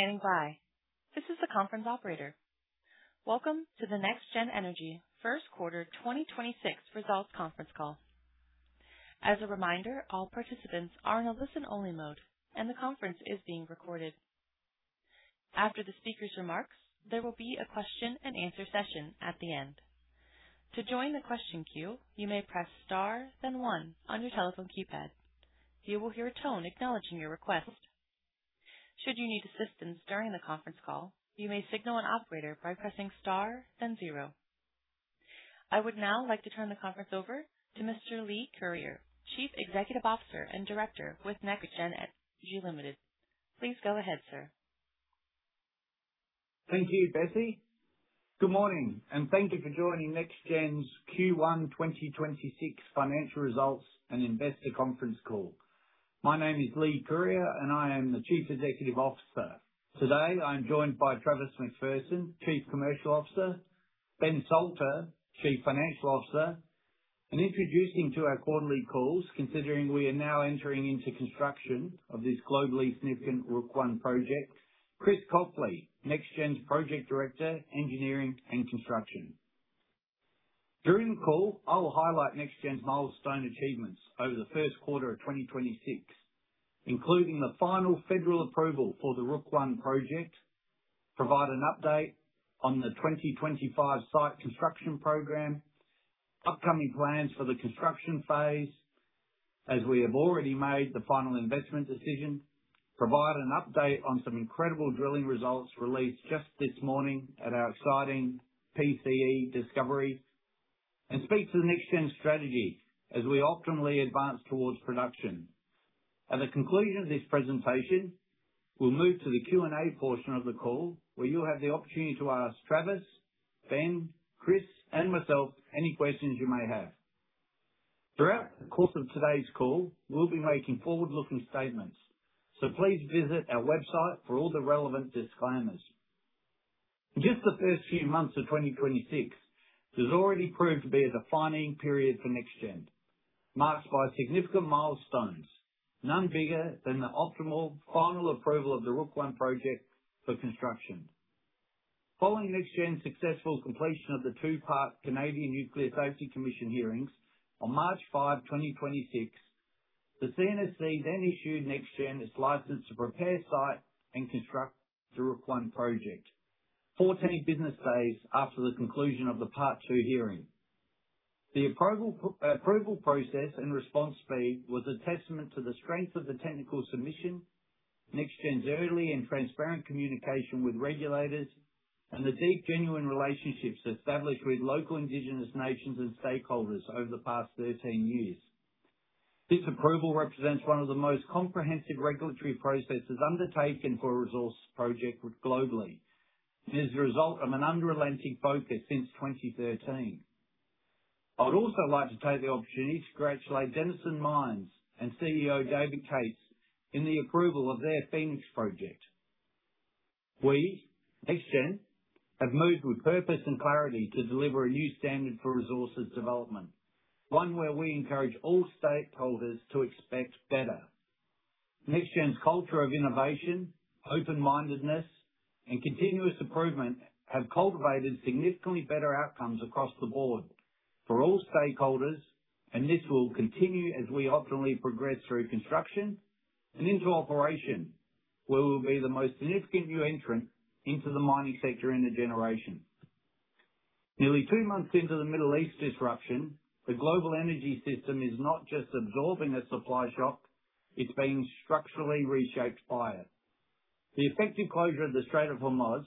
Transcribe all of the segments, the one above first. Thank you for standing by. This is the conference operator. Welcome to the NexGen Energy first quarter 2026 results conference call. As a reminder, all participants are in a listen-only mode, and the conference is being recorded. After the speaker's remarks, there will be a question-and-answer session at the end. I would now like to turn the conference over to Mr. Leigh Curyer, Chief Executive Officer and Director with NexGen Energy Ltd. Please go ahead, sir. Thank you, Katie. Good morning, thank you for joining NexGen's Q1 2026 financial results and investor conference call. My name is Leigh Curyer, I am the Chief Executive Officer. Today, I'm joined by Travis McPherson, Chief Commercial Officer, Benjamin Salter, Chief Financial Officer, introducing to our quarterly calls, considering we are now entering into construction of this globally significant Rook I Project, Chris Copley, NexGen's Project Director, Engineering and Construction. During the call, I will highlight NexGen's milestone achievements over the first quarter of 2026, including the final federal approval for the Rook I Project, provide an update on the 2025 site construction program, upcoming plans for the construction phase as we have already made the final investment decision. Provide an update on some incredible drilling results released just this morning at our exciting PCE discovery, and speak to the NexGen strategy as we optimally advance towards production. At the conclusion of this presentation, we'll move to the Q&A portion of the call, where you'll have the opportunity to ask Travis, Ben, Chris, and myself any questions you may have. Throughout the course of today's call, we'll be making forward-looking statements, so please visit our website for all the relevant disclaimers. In just the first few months of 2026, this has already proved to be the defining period for NexGen, marked by significant milestones, none bigger than the optimal final approval of the Rook I Project for construction. Following NexGen's successful completion of the two-part Canadian Nuclear Safety Commission hearings on March 5, 2026, the CNSC then issued NexGen its license to prepare site and construct the Rook I Project 14 business days after the conclusion of the Part 2 hearing. The approval process and response speed was a testament to the strength of the technical submission, NexGen's early and transparent communication with regulators, and the deep genuine relationships established with local indigenous nations and stakeholders over the past 13 years. This approval represents one of the most comprehensive regulatory processes undertaken for a resource project globally and is the result of an unrelenting focus since 2013. I would also like to take the opportunity to congratulate Denison Mines and CEO David Cates in the approval of their Phoenix Project. We, NexGen, have moved with purpose and clarity to deliver a new standard for resources development. One where we encourage all stakeholders to expect better. NexGen's culture of innovation, open-mindedness, and continuous improvement have cultivated significantly better outcomes across the board for all stakeholders, and this will continue as we optimally progress through construction and into operation, where we'll be the most significant new entrant into the mining sector in a generation. Nearly two months into the Middle East disruption, the global energy system is not just absorbing a supply shock, it's being structurally reshaped by it. The effective closure of the Strait of Hormuz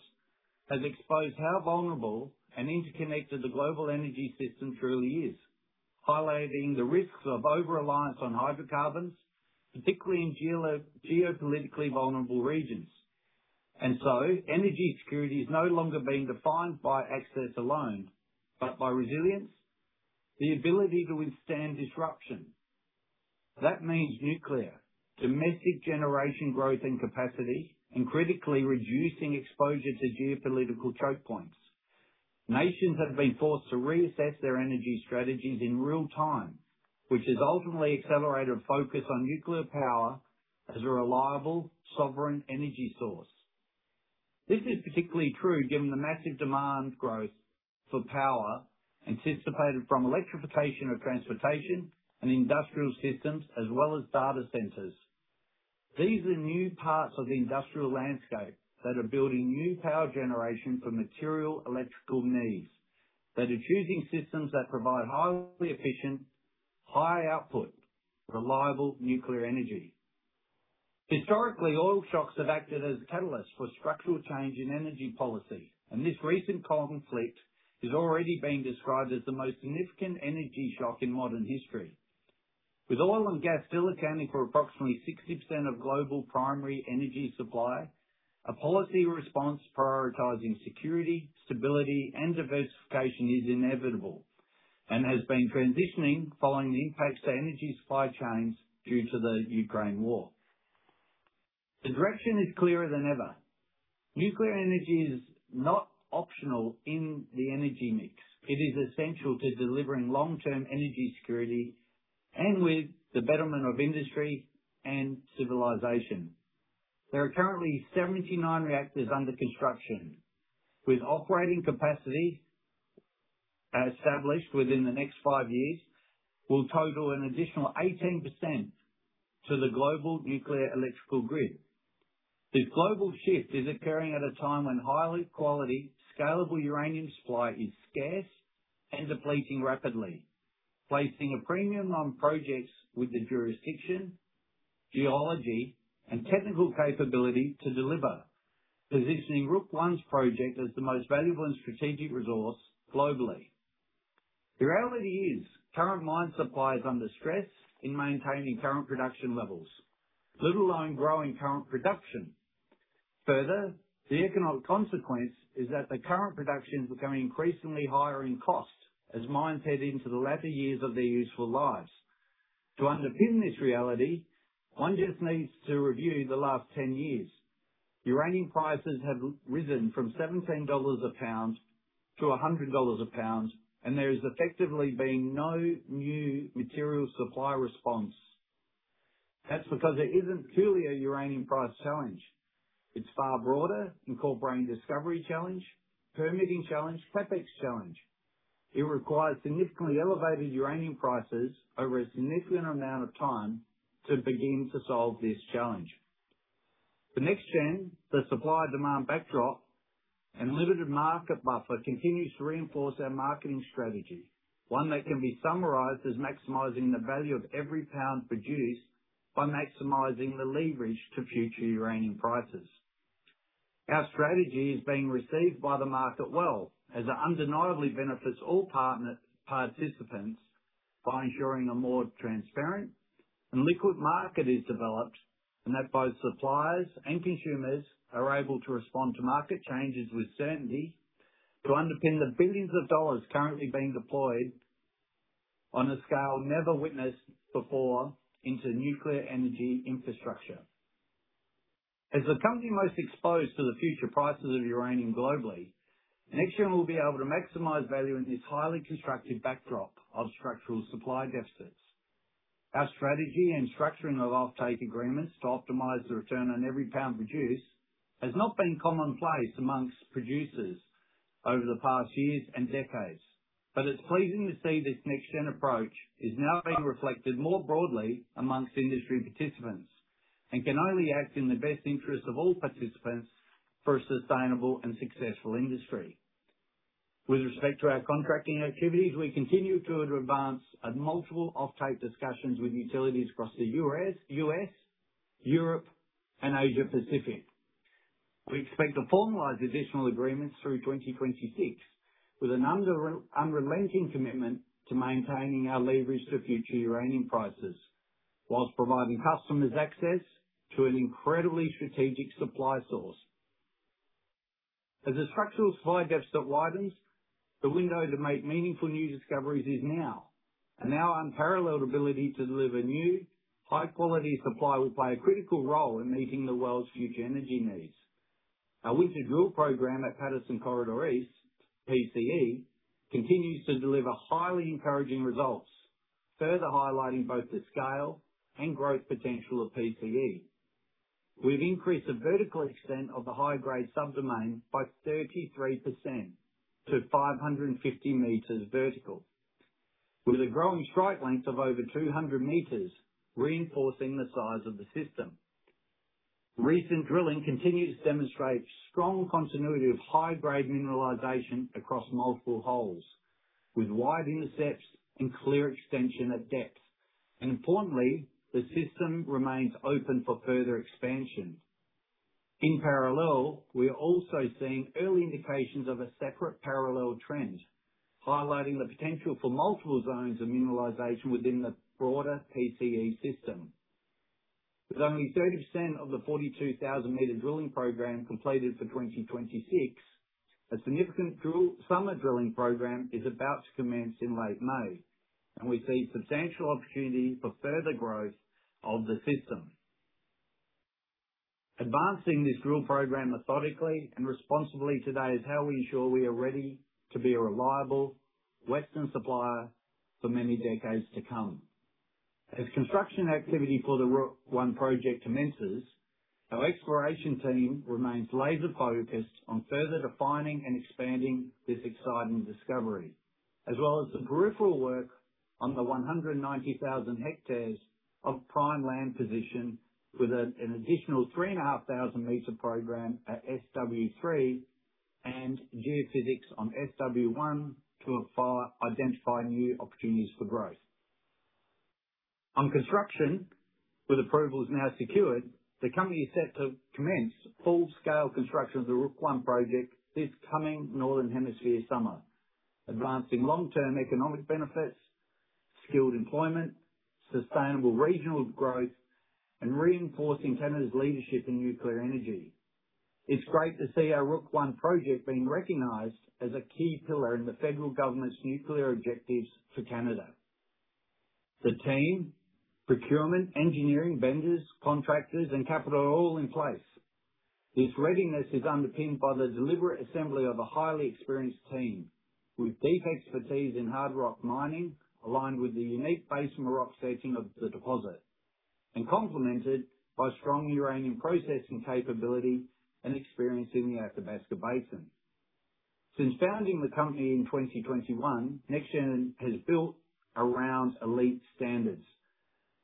has exposed how vulnerable and interconnected the global energy system truly is, highlighting the risks of over-reliance on hydrocarbons, particularly in geopolitically vulnerable regions. Energy security is no longer being defined by access alone, but by resilience, the ability to withstand disruption. That means nuclear, domestic generation growth and capacity, and critically reducing exposure to geopolitical choke points. Nations have been forced to reassess their energy strategies in real time, which has ultimately accelerated focus on nuclear power as a reliable, sovereign energy source. This is particularly true given the massive demand growth for power anticipated from electrification of transportation and industrial systems as well as data centers. These are new parts of the industrial landscape that are building new power generation for material electrical needs that are choosing systems that provide highly efficient, high output, reliable nuclear energy. Historically, oil shocks have acted as a catalyst for structural change in energy policy, and this recent conflict is already being described as the most significant energy shock in modern history. With oil and gas still accounting for approximately 60% of global primary energy supply, a policy response prioritizing security, stability, and diversification is inevitable and has been transitioning following the impacts to energy supply chains due to the Ukraine War. The direction is clearer than ever. Nuclear energy is not optional in the energy mix. It is essential to delivering long-term energy security and with the betterment of industry and civilization. There are currently 79 reactors under construction, with operating capacity established within the next five years will total an additional 18% to the global nuclear electrical grid. This global shift is occurring at a time when high-quality, scalable uranium supply is scarce and depleting rapidly, placing a premium on projects with the jurisdiction, geology, and technical capability to deliver. Positioning Rook I's project as the most valuable and strategic resource globally. The reality is current mine supply is under stress in maintaining current production levels, let alone growing current production. Further, the economic consequence is that the current production is becoming increasingly higher in cost as mines head into the latter years of their useful lives. To underpin this reality, one just needs to review the last 10 years. Uranium prices have risen from 17 dollars a pound to 100 dollars a pound, and there has effectively been no new material supply response. That's because it isn't purely a uranium price challenge. It's far broader, incorporating discovery challenge, permitting challenge, CapEx challenge. It requires significantly elevated uranium prices over a significant amount of time to begin to solve this challenge. For NexGen, the supply-demand backdrop and limited market buffer continues to reinforce our marketing strategy. One that can be summarized as maximizing the value of every pound produced by maximizing the leverage to future uranium prices. Our strategy is being received by the market well as it undeniably benefits all partner participants by ensuring a more transparent and liquid market is developed, and that both suppliers and consumers are able to respond to market changes with certainty to underpin the billions of CAD currently being deployed on a scale never witnessed before into nuclear energy infrastructure. As the company most exposed to the future prices of uranium globally, NexGen will be able to maximize value in this highly constructed backdrop of structural supply deficits. Our strategy and structuring offtake agreements to optimize the return on every pound produced has not been commonplace amongst producers over the past years and decades. It's pleasing to see this NexGen approach is now being reflected more broadly amongst industry participants and can only act in the best interest of all participants for a sustainable and successful industry. With respect to our contracting activities, we continue to advance on multiple offtake discussions with utilities across the U.S., Europe, and Asia-Pacific. We expect to formalize additional agreements through 2026 with an unrelenting commitment to maintaining our leverage to future uranium prices whilst providing customers access to an incredibly strategic supply source. As the structural supply deficit widens, the window to make meaningful new discoveries is now. Our unparalleled ability to deliver new high-quality supply will play a critical role in meeting the world's future energy needs. Our winter drill program at Patterson Corridor East, PCE, continues to deliver highly encouraging results, further highlighting both the scale and growth potential of PCE. We've increased the vertical extent of the high-grade subdomain by 33% to 550 meters vertical, with a growing strike length of over 200 meters, reinforcing the size of the system. Recent drilling continues to demonstrate strong continuity of high-grade mineralization across multiple holes with wide intercepts and clear extension at depth. Importantly, the system remains open for further expansion. In parallel, we are also seeing early indications of a separate parallel trend, highlighting the potential for multiple zones of mineralization within the broader PCE system. With only 30% of the 42,000 meter drilling program completed for 2026, a significant summer drilling program is about to commence in late May. We see substantial opportunity for further growth of the system. Advancing this drill program methodically and responsibly today is how we ensure we are ready to be a reliable Western supplier for many decades to come. As construction activity for the Rook I Project commences, our exploration team remains laser focused on further defining and expanding this exciting discovery, as well as the peripheral work on the 190,000 hectares of prime land position with an additional 3,500 meter program at SW3 and geophysics on SW1 to identify new opportunities for growth. On construction, with approvals now secured, the company is set to commence full-scale construction of the Rook I Project this coming Northern Hemisphere summer. Advancing long-term economic benefits, skilled employment, sustainable regional growth, and reinforcing Canada's leadership in nuclear energy. It's great to see our Rook I Project being recognized as a key pillar in the federal government's nuclear objectives for Canada. The team, procurement, engineering, vendors, contractors, and capital are all in place. This readiness is underpinned by the deliberate assembly of a highly experienced team with deep expertise in hard rock mining, aligned with the unique basin rock setting of the deposit, and complemented by strong uranium processing capability and experience in the Athabasca Basin. Since founding the company in 2021, NexGen has built around elite standards.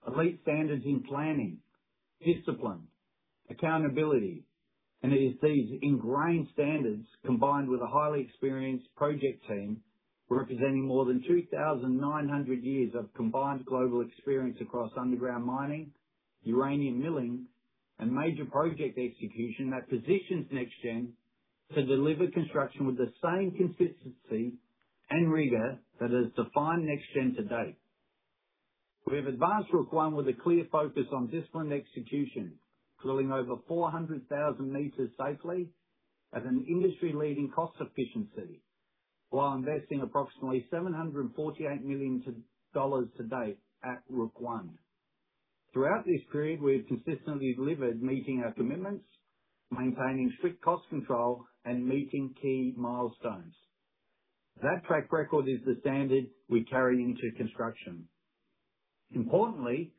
Elite standards in planning, discipline, accountability. It is these ingrained standards, combined with a highly experienced project team representing more than 2,900 years of combined global experience across underground mining, uranium milling, and major project execution that positions NexGen to deliver construction with the same consistency and rigor that has defined NexGen to date. We have advanced Rook I with a clear focus on disciplined execution, drilling over 400,000 meters safely at an industry-leading cost efficiency, while investing approximately 748 million dollars to date at Rook I. Throughout this period, we've consistently delivered meeting our commitments, maintaining strict cost control, and meeting key milestones. That track record is the standard we carry into construction. Importantly,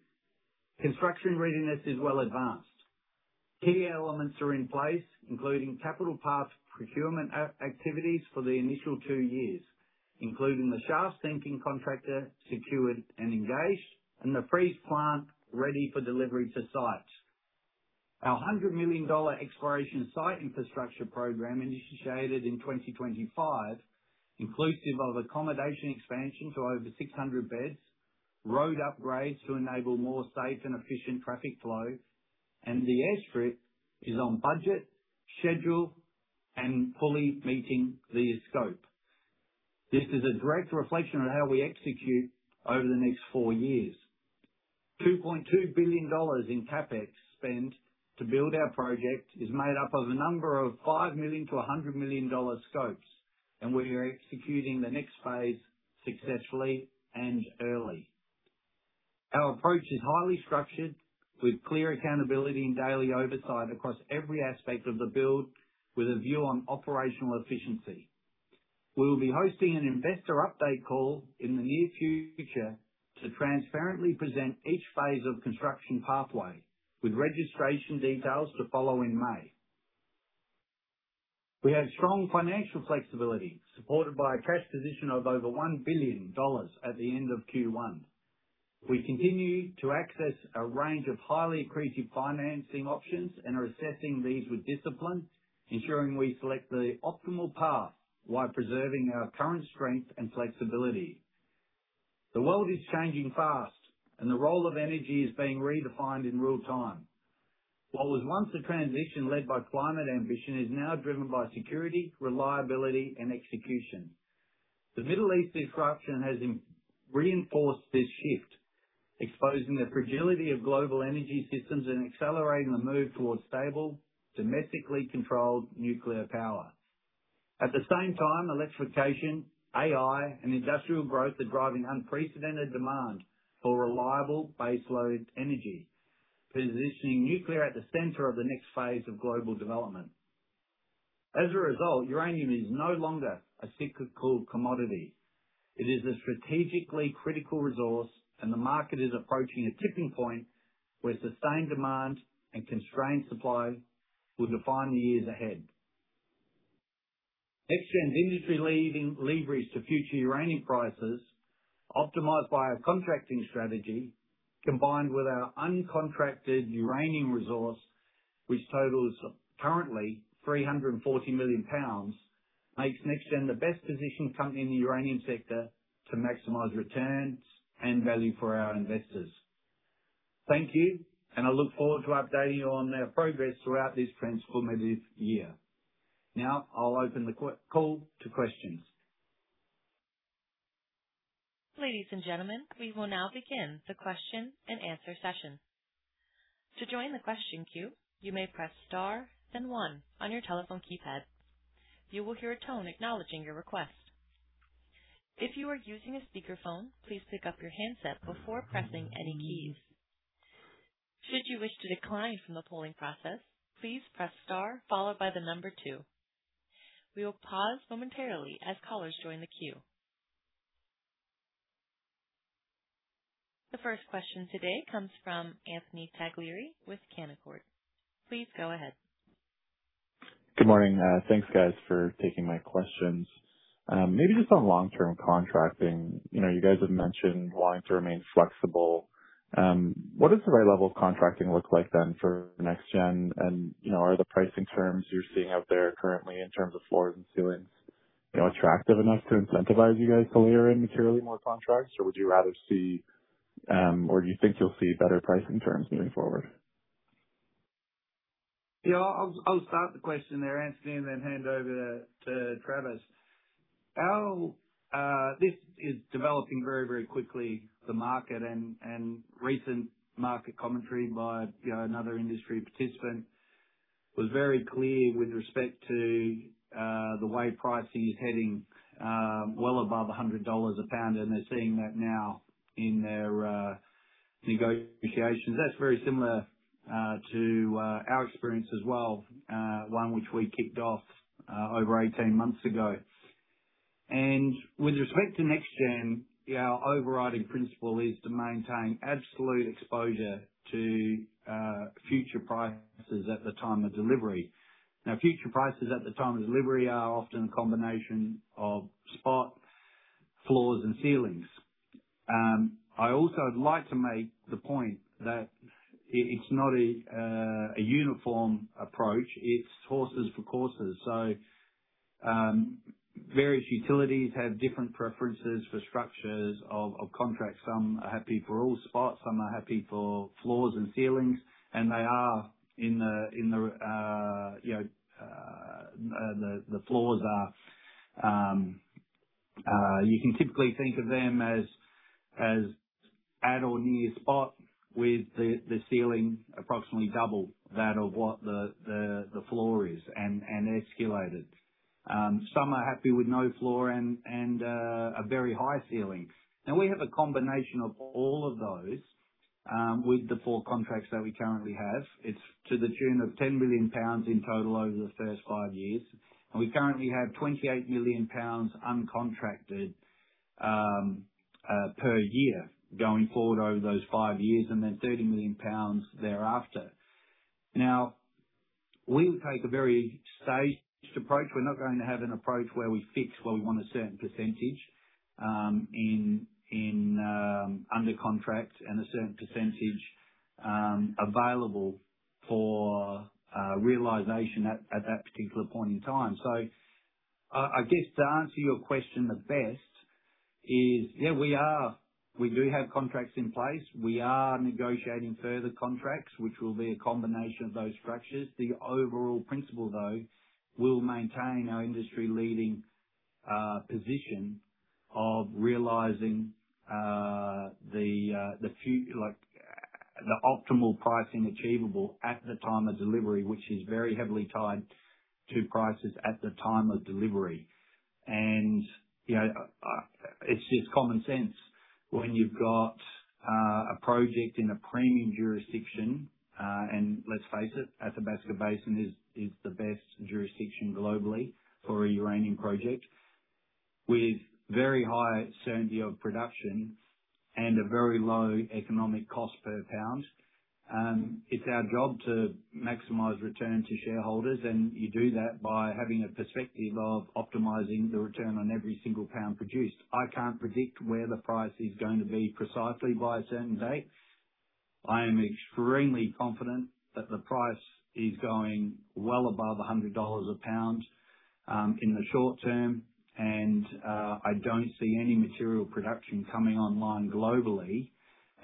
construction readiness is well advanced. Key elements are in place, including critical path procurement activities for the initial two years, including the shaft sinking contractor secured and engaged and the freeze plant ready for delivery to site. Our 100 million dollar exploration site infrastructure program, initiated in 2025, inclusive of accommodation expansion to over 600 beds, road upgrades to enable more safe and efficient traffic flow, and the airstrip is on budget, schedule, and fully meeting the scope. This is a direct reflection on how we execute over the next four years. 2.2 billion dollars in CapEx spend to build our project is made up of a number of 5 million-100 million dollar scopes. We are executing the next phase successfully and early. Our approach is highly structured with clear accountability and daily oversight across every aspect of the build with a view on operational efficiency. We will be hosting an investor update call in the near future to transparently present each phase of construction pathway with registration details to follow in May. We have strong financial flexibility supported by a cash position of over 1 billion dollars at the end of Q1. We continue to access a range of highly accretive financing options and are assessing these with discipline, ensuring we select the optimal path while preserving our current strength and flexibility. The world is changing fast, and the role of energy is being redefined in real time. What was once a transition led by climate ambition is now driven by security, reliability and execution. The Middle East disruption has reinforced this shift, exposing the fragility of global energy systems and accelerating the move towards stable, domestically controlled nuclear power. At the same time, electrification, AI, and industrial growth are driving unprecedented demand for reliable baseload energy, positioning nuclear at the center of the next phase of global development. As a result, uranium is no longer a cyclical commodity. It is a strategically critical resource, and the market is approaching a tipping point where sustained demand and constrained supply will define the years ahead. NexGen's industry-leading leverage to future uranium prices optimized by our contracting strategy, combined with our uncontracted uranium resource, which totals currently 340 million pounds, makes NexGen the best positioned company in the uranium sector to maximize returns and value for our investors. Thank you, and I look forward to updating you on our progress throughout this transformative year. Now I'll open the queue to questions. The first question today comes from Anthony Taglieri with Canaccord Genuity. Please go ahead. Good morning. Thanks, guys, for taking my questions. Maybe just on long-term contracting. You know, you guys have mentioned wanting to remain flexible. What does the right level of contracting look like then for NexGen? You know, are the pricing terms you're seeing out there currently in terms of floors and ceilings, you know, attractive enough to incentivize you guys to layer in materially more contracts? Would you rather see, or do you think you'll see better pricing terms moving forward? Yeah, I'll start the question there, Anthony, and then hand over to Travis. Our, this is developing very, very quickly, the market and recent market commentary by, you know, another industry participant, was very clear with respect to the way pricing is heading, well above 100 dollars a pound, and they're seeing that now in their negotiations. That's very similar to our experience as well, one which we kicked off over 18 months ago. With respect to NexGen, our overriding principle is to maintain absolute exposure to future prices at the time of delivery. Now, future prices at the time of delivery are often a combination of spot floors and ceilings. I also would like to make the point that it's not a uniform approach. It's horses for courses. Various utilities have different preferences for structures of contracts. Some are happy for all spot, some are happy for floors and ceilings. They are in the, you know, the floors are, you can typically think of them as at or near spot with the ceiling approximately double that of what the floor is and escalated. Some are happy with no floor and a very high ceiling. Now we have a combination of all of those with the four contracts that we currently have. It's to the tune of 10 million pounds in total over the first five years. We currently have 28 million pounds uncontracted per year going forward over those five years and then 30 million pounds thereafter. We will take a very staged approach. We're not going to have an approach where we fix where we want a certain percentage in in under contract and a certain percentage available for realization at that particular point in time. I guess to answer your question the best is, yeah, we are. We do have contracts in place. We are negotiating further contracts, which will be a combination of those structures. The overall principle, though, we'll maintain our industry-leading position of realizing the like, the optimal pricing achievable at the time of delivery, which is very heavily tied to prices at the time of delivery. You know, it's just common sense when you've got a project in a premium jurisdiction. Let's face it, Athabasca Basin is the best jurisdiction globally for a uranium project with very high certainty of production and a very low economic cost per pound. It's our job to maximize return to shareholders, and you do that by having a perspective of optimizing the return on every single pound produced. I can't predict where the price is going to be precisely by a certain date. I am extremely confident that the price is going well above 100 dollars a pound in the short term. I don't see any material production coming online globally.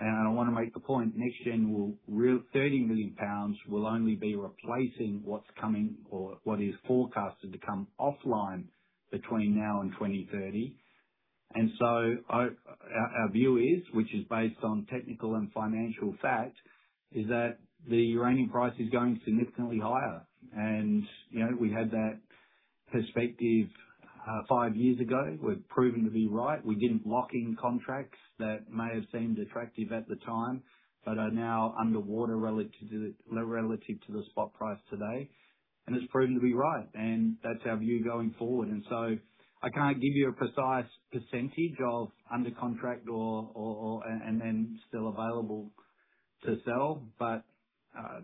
I wanna make the point, NexGen 30 million pounds will only be replacing what's coming or what is forecasted to come offline between now and 2030. Our view is, which is based on technical and financial fact, is that the uranium price is going significantly higher. You know, we had that perspective five years ago, we've proven to be right. We didn't lock in contracts that may have seemed attractive at the time, but are now underwater relative to the spot price today. It's proven to be right, and that's our view going forward. I can't give you a precise percentage of under contract or and still available to sell.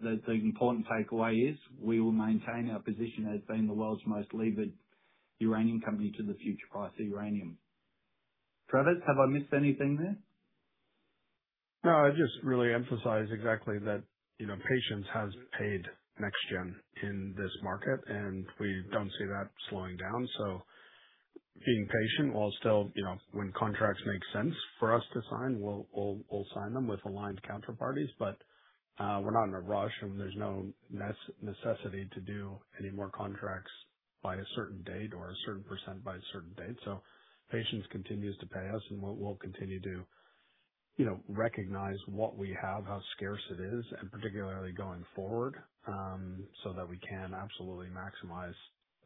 The important takeaway is we will maintain our position as being the world's most levered uranium company to the future price of uranium. Travis, have I missed anything there? No, I just really emphasize exactly that, you know, patience has paid NexGen in this market, and we don't see that slowing down. Being patient while still, you know, when contracts make sense for us to sign, we'll sign them with aligned counterparties. We're not in a rush, and there's no necessity to do any more contracts by a certain date or a certain percent by a certain date. Patience continues to pay us, and we'll continue to, you know, recognize what we have, how scarce it is, and particularly going forward, so that we can absolutely maximize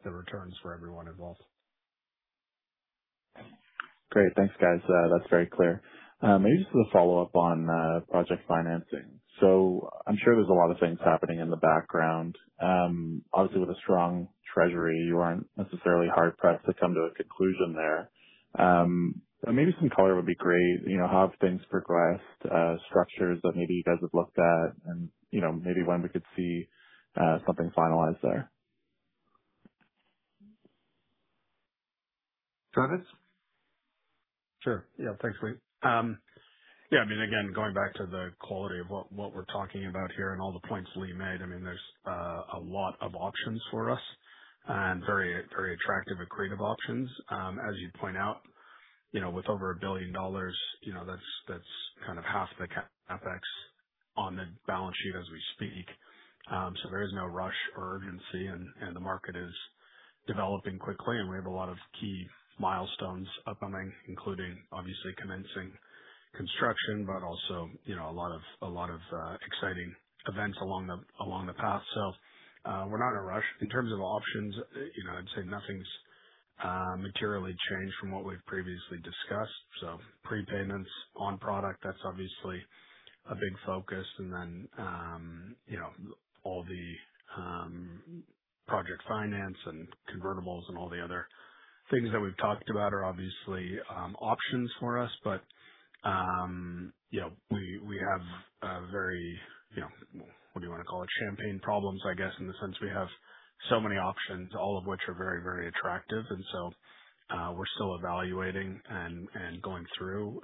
the returns for everyone involved. Great. Thanks, guys. That's very clear. Maybe just as a follow-up on project financing. I'm sure there's a lot of things happening in the background. Obviously with a strong treasury, you aren't necessarily hard pressed to come to a conclusion there. Maybe some color would be great. You know, how have things progressed, structures that maybe you guys have looked at and, you know, maybe when we could see something finalized there. Travis? Sure. Yeah, thanks, Leigh. Yeah, I mean, again, going back to the quality of what we're talking about here and all the points Leigh made, I mean, there's a lot of options for us and very, very attractive and creative options. As you point out, you know, with over 1 billion dollars, you know, that's kind of half the CapEx on the balance sheet as we speak. There is no rush or urgency, and the market is developing quickly, and we have a lot of key milestones upcoming, including obviously commencing construction, but also, you know, a lot of exciting events along the path. We're not in a rush. In terms of options, you know, I'd say nothing's materially changed from what we've previously discussed. Prepayments on product, that's obviously a big focus. You know, all the project finance and convertibles and all the other things that we've talked about are obviously options for us. You know, we have a very, you know, what do you wanna call it? Champagne problems, I guess, in the sense we have so many options, all of which are very, very attractive. We're still evaluating and going through,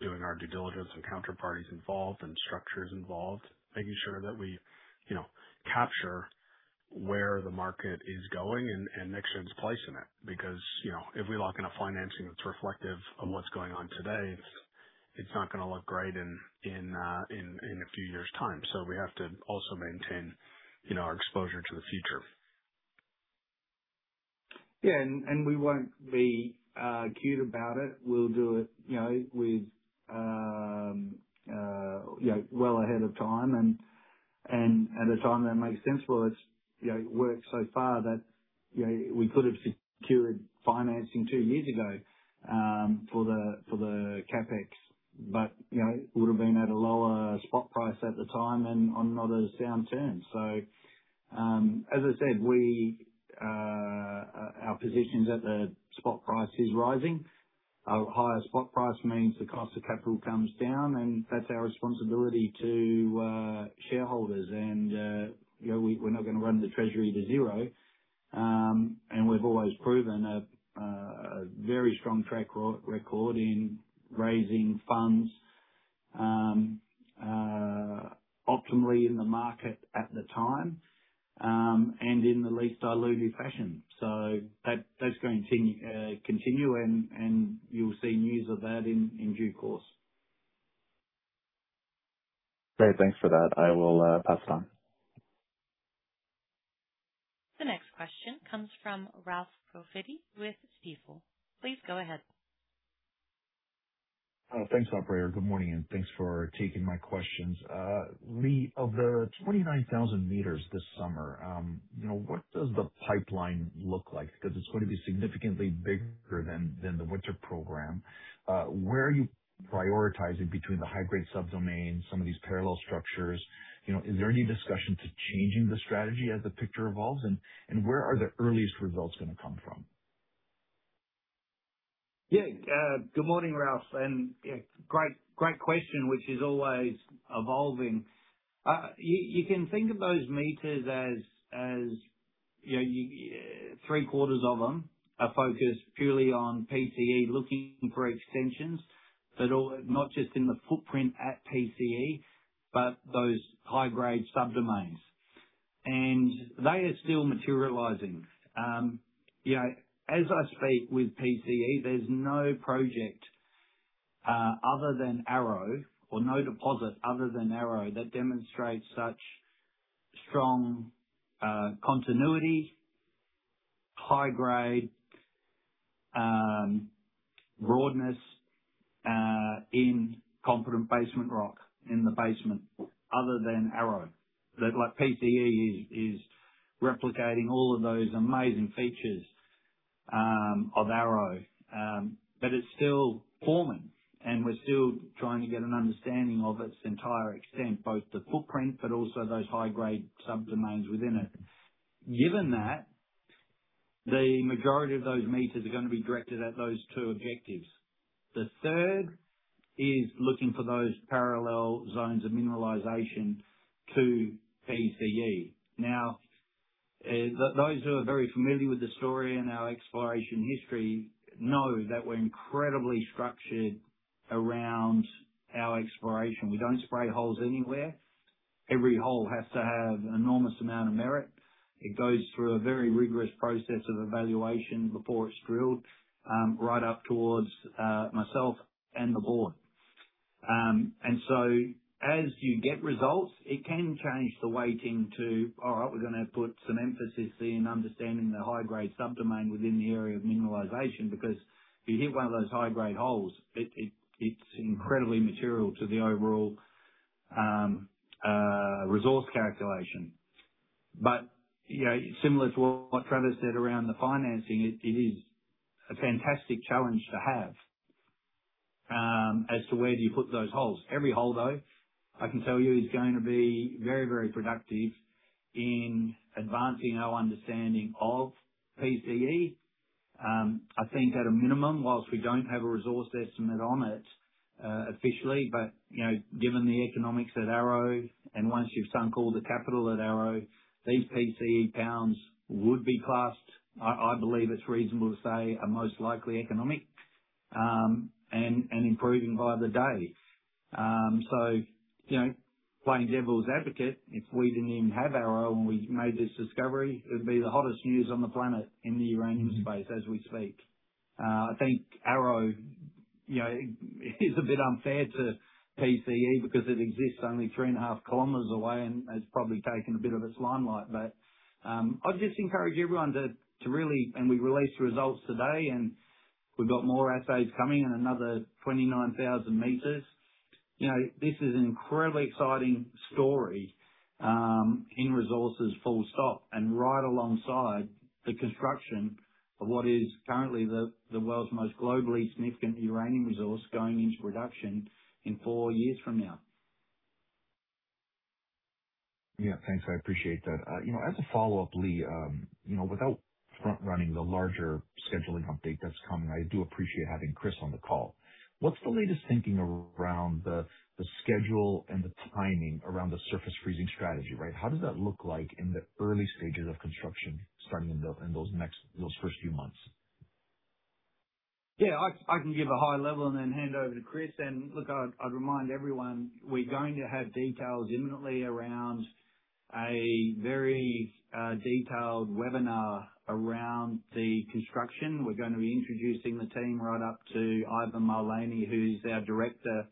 doing our due diligence and counterparties involved and structures involved, making sure that we, you know, capture where the market is going and, NexGen's placing it. You know, if we lock in a financing that's reflective of what's going on today, it's not gonna look great in, in a few years' time. We have to also maintain, you know, our exposure to the future. Yeah. We won't be cute about it. We'll do it, you know, with, you know, well ahead of time and at a time that makes sense for us. You know, it worked so far that, you know, we could have secured financing two years ago for the CapEx, but, you know, it would've been at a lower spot price at the time and on not as sound terms. As I said, our position's at the spot price is rising. A higher spot price means the cost of capital comes down, and that's our responsibility to shareholders. You know, we're not gonna run the treasury to zero. We've always proven a very strong track record in raising funds optimally in the market at the time and in the least dilutive fashion. That's gonna continue and you'll see news of that in due course. Great. Thanks for that. I will pass it on. The next question comes from Ralph Profiti with Stifel. Please go ahead. Thanks, operator. Good morning, and thanks for taking my questions. Leigh, of the 29,000 meters this summer, you know, what does the pipeline look like? Because it's going to be significantly bigger than the winter program. Where are you prioritizing between the high-grade subdomains, some of these parallel structures? You know, is there any discussion to changing the strategy as the picture evolves? Where are the earliest results gonna come from? Good morning, Ralph, and great question, which is always evolving. You can think of those meters as, you know, three quarters of them are focused purely on PCE looking for extensions, but not just in the footprint at PCE, but those high-grade subdomains. They are still materializing. You know, as I speak with PCE, there's no project other than Arrow or no deposit other than Arrow that demonstrates such strong continuity, high-grade broadness in competent basement rock in the basement other than Arrow. That like PCE is replicating all of those amazing features of Arrow. It's still forming, and we're still trying to get an understanding of its entire extent, both the footprint but also those high-grade subdomains within it. Given that, the majority of those meters are going to be directed at those two objectives. The third is looking for those parallel zones of mineralization to PCE. Now, those who are very familiar with the story and our exploration history know that we're incredibly structured around our exploration. We don't spray holes anywhere. Every hole has to have enormous amount of merit. It goes through a very rigorous process of evaluation before it's drilled, right up towards myself and the board. As you get results, it can change the weighting to, all right, we're going to put some emphasis in understanding the high-grade subdomain within the area of mineralization because if you hit one of those high-grade holes, it's incredibly material to the overall resource calculation. You know, similar to what Travis said around the financing, it is a fantastic challenge to have, as to where do you put those holes. Every hole, though, I can tell you, is going to be very, very productive in advancing our understanding of PCE. I think at a minimum, whilst we don't have a resource estimate on it, officially, you know, given the economics at Arrow and once you've sunk all the capital at Arrow, these PCE pounds would be classed, I believe it's reasonable to say, a most likely economic, and improving by the day. You know, playing devil's advocate, if we didn't even have Arrow when we made this discovery, it would be the hottest news on the planet in the uranium space as we speak. I think you know, it is a bit unfair to PCE because it exists only 3.5 km away, and it's probably taken a bit of its limelight. I'd just encourage everyone to really. We release the results today, and we've got more assays coming and another 29,000 meters. You know, this is an incredibly exciting story in resources, full stop. Right alongside the construction of what is currently the world's most globally significant uranium resource going into production in four years from now. Yeah. Thanks. I appreciate that. You know, as a follow-up, Leigh, you know, without front-running the larger scheduling update that's coming, I do appreciate having Chris on the call. What's the latest thinking around the schedule and the timing around the surface freezing strategy, right? How does that look like in the early stages of construction, starting in those first few months? Yeah, I can give a high level and then hand over to Chris. Look, I'd remind everyone, we're going to have details imminently around a very detailed webinar around the construction. We're going to be introducing the team right up to Ivan Mullany, who is our Director,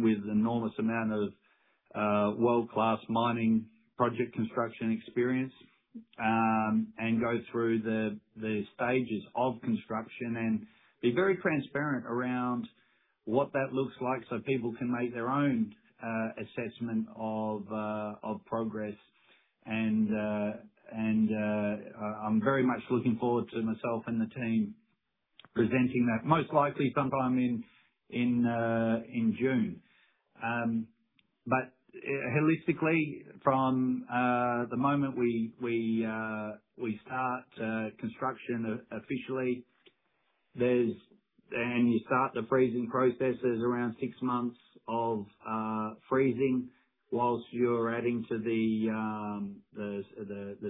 with enormous amount of world-class mining project construction experience, and go through the stages of construction and be very transparent around what that looks like so people can make their own assessment of progress. I'm very much looking forward to myself and the team presenting that, most likely sometime in June. Holistically from the moment we we start construction officially, there's you start the freezing processes around six months of freezing whilst you're adding to the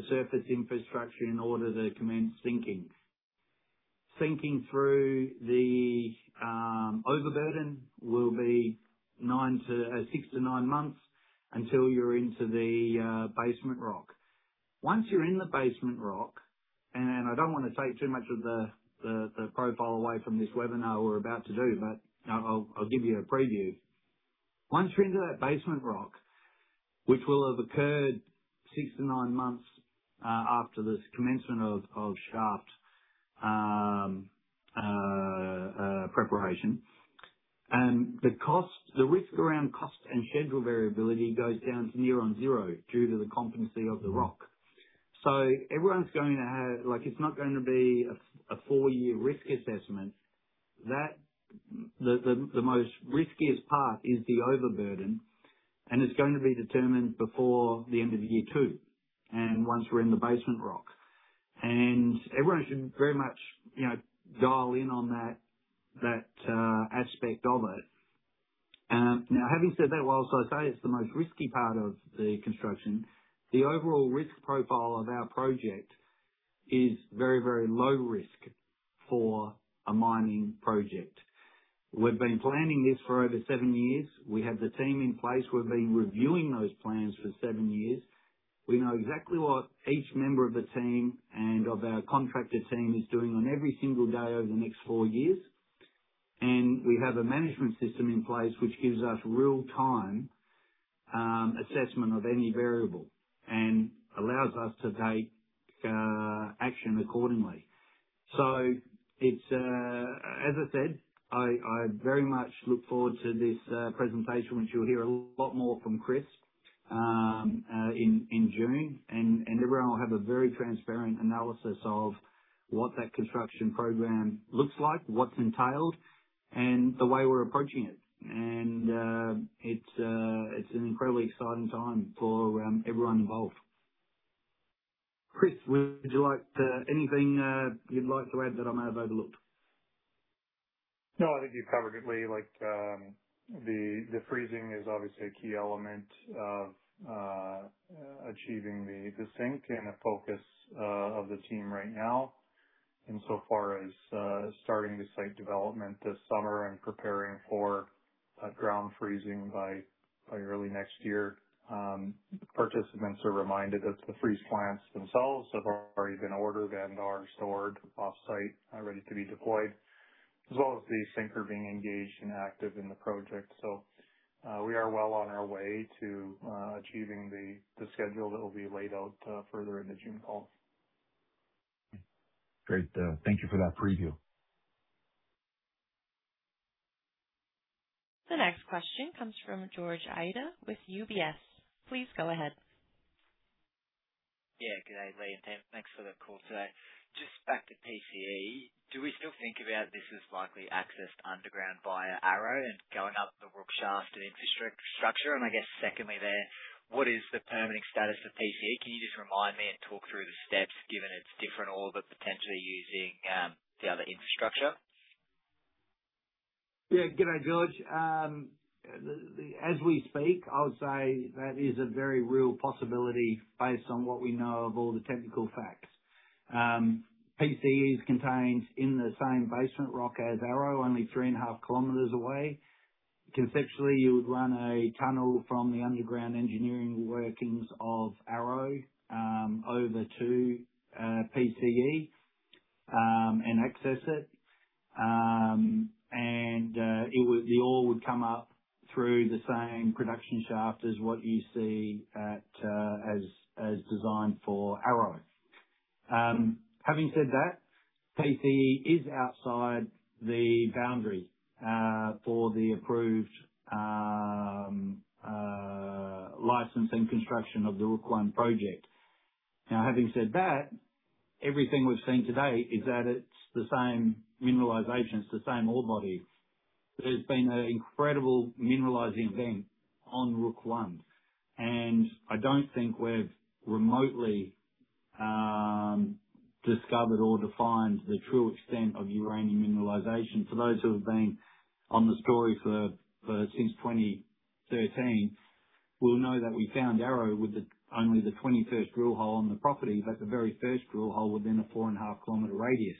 surface infrastructure in order to commence sinking. Sinking through the overburden will be six to nine months until you're into the basement rock. Once you're in the basement rock, I don't wanna take too much of the profile away from this webinar we're about to do, I'll give you a preview. Once you're into that basement rock, which will have occurred six to nine months after the commencement of shaft preparation, the risk around cost and schedule variability goes down to near on zero due to the competency of the rock. It's not going to be a four-year risk assessment. The most riskiest part is the overburden, and it's going to be determined before the end of year two and once we're in the basement rock. Everyone should very much, you know, dial in on that aspect of it. Now having said that, whilst I say it's the most risky part of the construction, the overall risk profile of our project is very, very low risk for a mining project. We've been planning this for over seven years. We have the team in place. We've been reviewing those plans for seven years. We know exactly what each member of the team and of our contractor team is doing on every single day over the next four years. We have a management system in place which gives us real-time assessment of any variable and allows us to take action accordingly. It's as I said, I very much look forward to this presentation, which you'll hear a lot more from Chris in June. Everyone will have a very transparent analysis of what that construction program looks like, what's entailed, and the way we're approaching it. It's an incredibly exciting time for everyone involved. Chris, would you like to Anything you'd like to add that I may have overlooked? I think you covered it, Leigh. Like, the freezing is obviously a key element of achieving the sinking and a focus of the team right now in so far as starting the site development this summer and preparing for ground freezing by early next year. Participants are reminded that the freeze plants themselves have already been ordered and are stored offsite, ready to be deployed, as well as the sinker is being engaged and active in the project. We are well on our way to achieving the schedule that will be laid out further in the June call. Great. Thank you for that preview. The next question comes from George Eadie with UBS. Please go ahead. Yeah. Good day, Leigh and team. Thanks for the call today. Just back to PCE. Do we still think about this as likely accessed underground via Arrow and going up the Rook I shaft and infrastructure? I guess secondly there, what is the permitting status of PCE? Can you just remind me and talk through the steps, given it's different ore, but potentially using the other infrastructure? Yeah. Good day, George. As we speak, I would say that is a very real possibility based on what we know of all the technical facts. PCE is contained in the same basement rock as Arrow, only 3.5 km away. Conceptually, you would run a tunnel from the underground engineering workings of Arrow, over to PCE, and access it. The ore would come up through the same production shaft as what you see at, as designed for Arrow. Having said that, PCE is outside the boundary for the approved license and construction Rook I Project. having said that, everything we've seen to date is that it's the same mineralization, it's the same ore body. There's been an incredible mineralizing event on Rook I, and I don't think we've remotely discovered or defined the true extent of uranium mineralization. For those who have been on the story for since 2013 will know that we found Arrow with the only the 21st drill hole on the property, but the very first drill hole within a 4.5 km radius.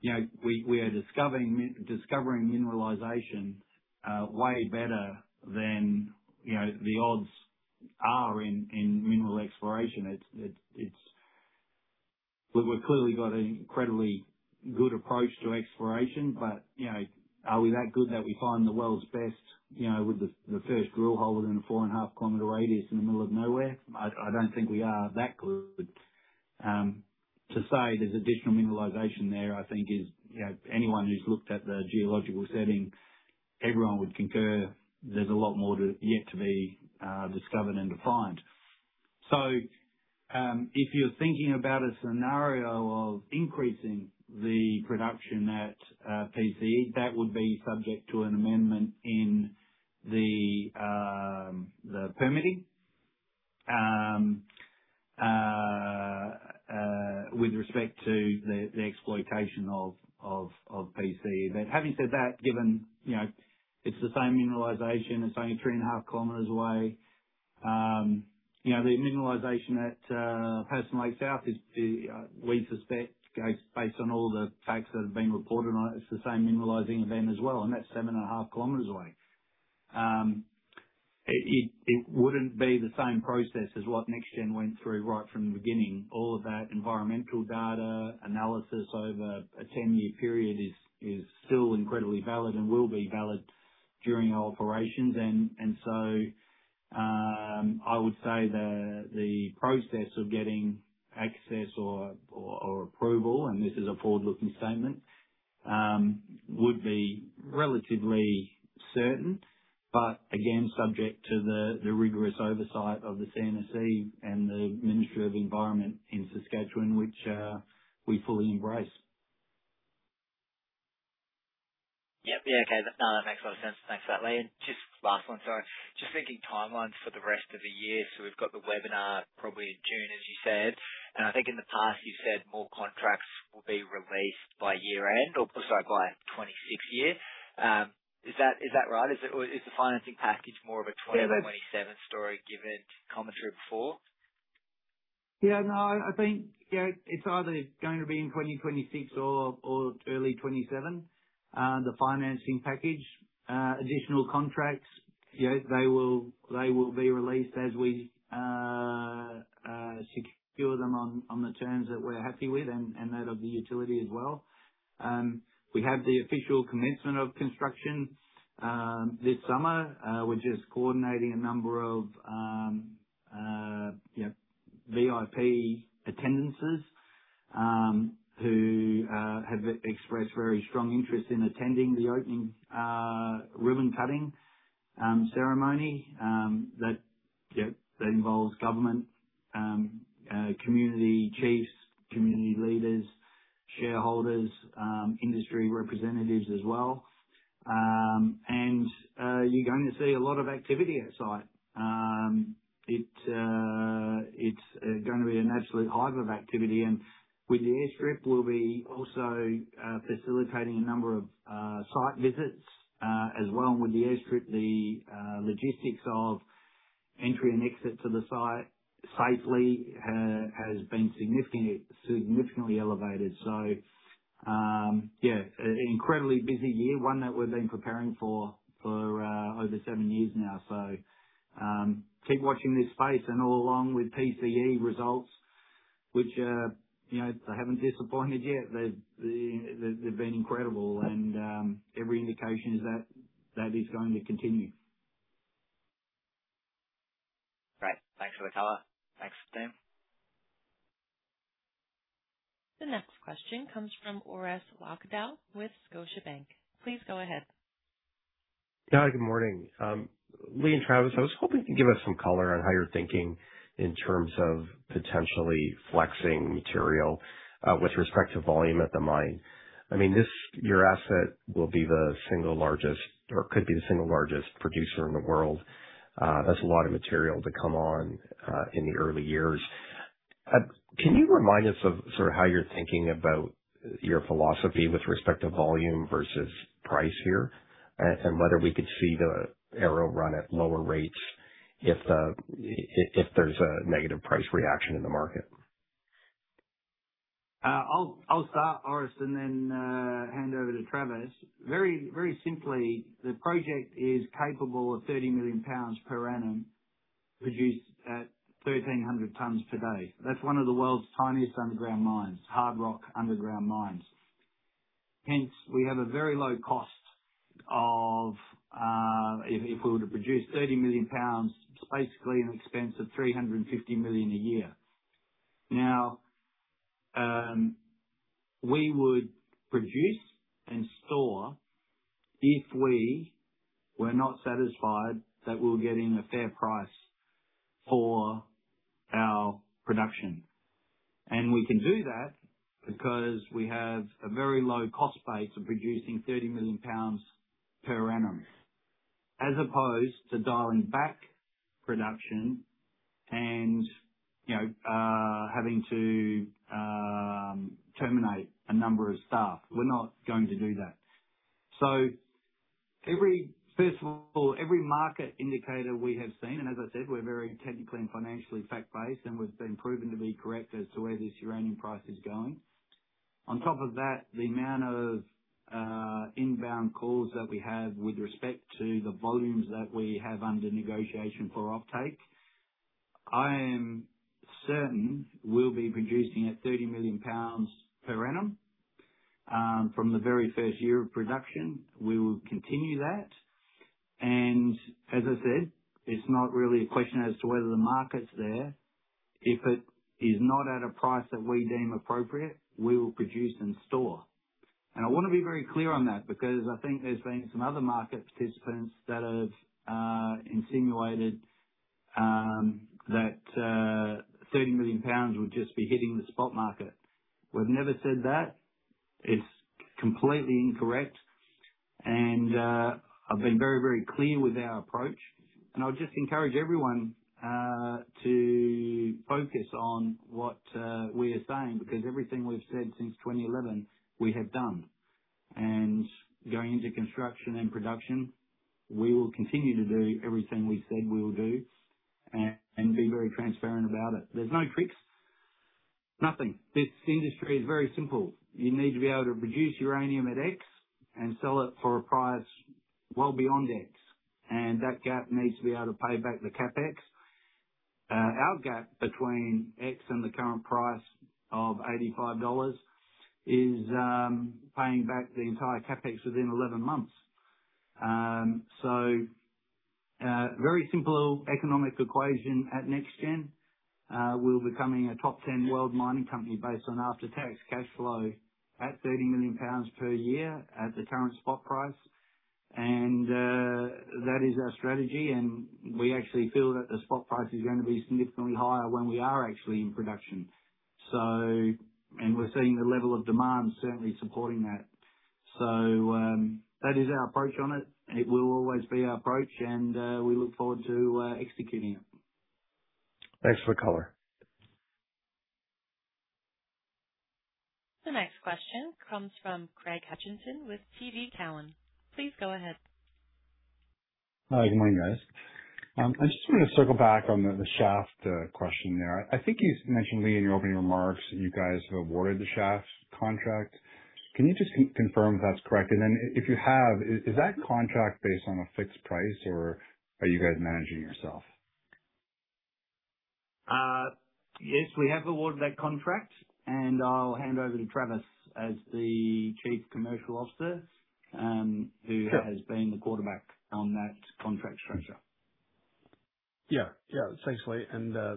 You know, we are discovering mineralization way better than, you know, the odds are in mineral exploration. We've clearly got an incredibly good approach to exploration, but, you know, are we that good that we find the world's best, you know, with the first drill hole within a 4.5 km radius in the middle of nowhere? I don't think we are that good. To say there's additional mineralization there, I think is, you know, anyone who's looked at the geological setting, everyone would concur there's a lot more to yet to be discovered and defined. If you're thinking about a scenario of increasing the production at PCE, that would be subject to an amendment in the permitting with respect to the exploitation of PCE. Having said that, given, you know, it's the same mineralization, it's only 3.5 km away. You know, the mineralization at Patterson Lake South is the, we suspect, based on all the facts that have been reported on it's the same mineralizing event as well, and that's 7.5 km away. It wouldn't be the same process as what NexGen went through right from the beginning. All of that environmental data analysis over a 10-year period is still incredibly valid and will be valid during operations. I would say the process of getting access or approval, and this is a forward-looking statement, would be relatively certain, but again, subject to the rigorous oversight of the CNSC and the Ministry of Environment in Saskatchewan, which we fully embrace. Yep. Yeah. Okay. No, that makes a lot of sense. Thanks for that, Leigh. Just last one, sorry. Just thinking timelines for the rest of the year. We've got the webinar probably in June, as you said, and I think in the past you've said more contracts will be released by year-end or sorry, by 2026 year. Is that right? Is it or is the financing package more of a- Yeah. 2027 story given commentary before? No, I think, it's either going to be in 2026 or early 2027, the financing package. Additional contracts, they will be released as we secure them on the terms that we're happy with and that of the utility as well. We have the official commencement of construction this summer. We're just coordinating a number of, you know, VIP attendees who have expressed very strong interest in attending the opening ribbon cutting ceremony. That involves government, community chiefs, community leaders, shareholders, industry representatives as well. You're going to see a lot of activity at site. It's gonna be an absolute hive of activity. With the airstrip, we'll be also facilitating a number of site visits as well. With the airstrip, the logistics of entry and exit to the site safely has been significantly elevated. Yeah, incredibly busy year, one that we've been preparing for for over seven years now. Keep watching this space and all along with PCE results which, you know, they haven't disappointed yet. They've been incredible and every indication is that that is going to continue. Great. Thanks for the color. Thanks, team. The next question comes from Orest Wowkodaw with Scotiabank. Please go ahead. Yeah, good morning. Leigh and Travis, I was hoping you could give us some color on how you're thinking in terms of potentially flexing material with respect to volume at the mine. I mean, your asset will be the single largest or could be the single largest producer in the world. That's a lot of material to come on in the early years. Can you remind us of sort of how you're thinking about your philosophy with respect to volume versus price here, and whether we could see the Arrow run at lower rates if there's a negative price reaction in the market? I'll start, Orest, then hand over to Travis. Simply, the project is capable of 30 million pounds per annum produced at 1,300 tons per day. That's one of the world's tiniest underground mines, hard rock underground mines. Hence, we have a very low cost of, if we were to produce 30 million pounds, basically an expense of 350 million a year. We would produce and store if we were not satisfied that we're getting a fair price for our production. We can do that because we have a very low cost base of producing 30 million pounds per annum, as opposed to dialing back production and, you know, having to terminate a number of staff. We're not going to do that. First of all, every market indicator we have seen, and as I said, we're very technically and financially fact-based, and we've been proven to be correct as to where this uranium price is going. On top of that, the amount of inbound calls that we have with respect to the volumes that we have under negotiation for offtake, I am certain we'll be producing at 30 million pounds per annum from the very first year of production. We will continue that, and as I said, it's not really a question as to whether the market's there. If it is not at a price that we deem appropriate, we will produce and store. I wanna be very clear on that because I think there's been some other market participants that have insinuated that 30 million pounds would just be hitting the spot market. We've never said that. It's completely incorrect, and I've been very, very clear with our approach, and I would just encourage everyone to focus on what we are saying because everything we've said since 2011, we have done. Going into construction and production, we will continue to do everything we've said we will do and be very transparent about it. There's no tricks. Nothing. This industry is very simple. You need to be able to produce uranium at X and sell it for a price well beyond X, and that gap needs to be able to pay back the CapEx. Our gap between X and the current price of 85 dollars is paying back the entire CapEx within 11 months. Very simple economic equation at NexGen. We're becoming a top 10 world mining company based on after-tax cash flow at 30 million pounds per year at the current spot price. That is our strategy, and we actually feel that the spot price is gonna be significantly higher when we are actually in production. We're seeing the level of demand certainly supporting that. That is our approach on it, and it will always be our approach, and we look forward to executing it. Thanks for the color. The next question comes from Craig Hutchison with TD Cowen. Please go ahead. Hi, good morning, guys. I just wanted to circle back on the shaft question there. I think you mentioned, Leigh, in your opening remarks that you guys have awarded the shaft contract. Can you just confirm if that's correct? If you have, is that contract based on a fixed price or are you guys managing yourself? Yes, we have awarded that contract, and I'll hand over to Travis as the Chief Commercial Officer. Sure who has been the quarterback on that contract structure. Thanks, Leigh,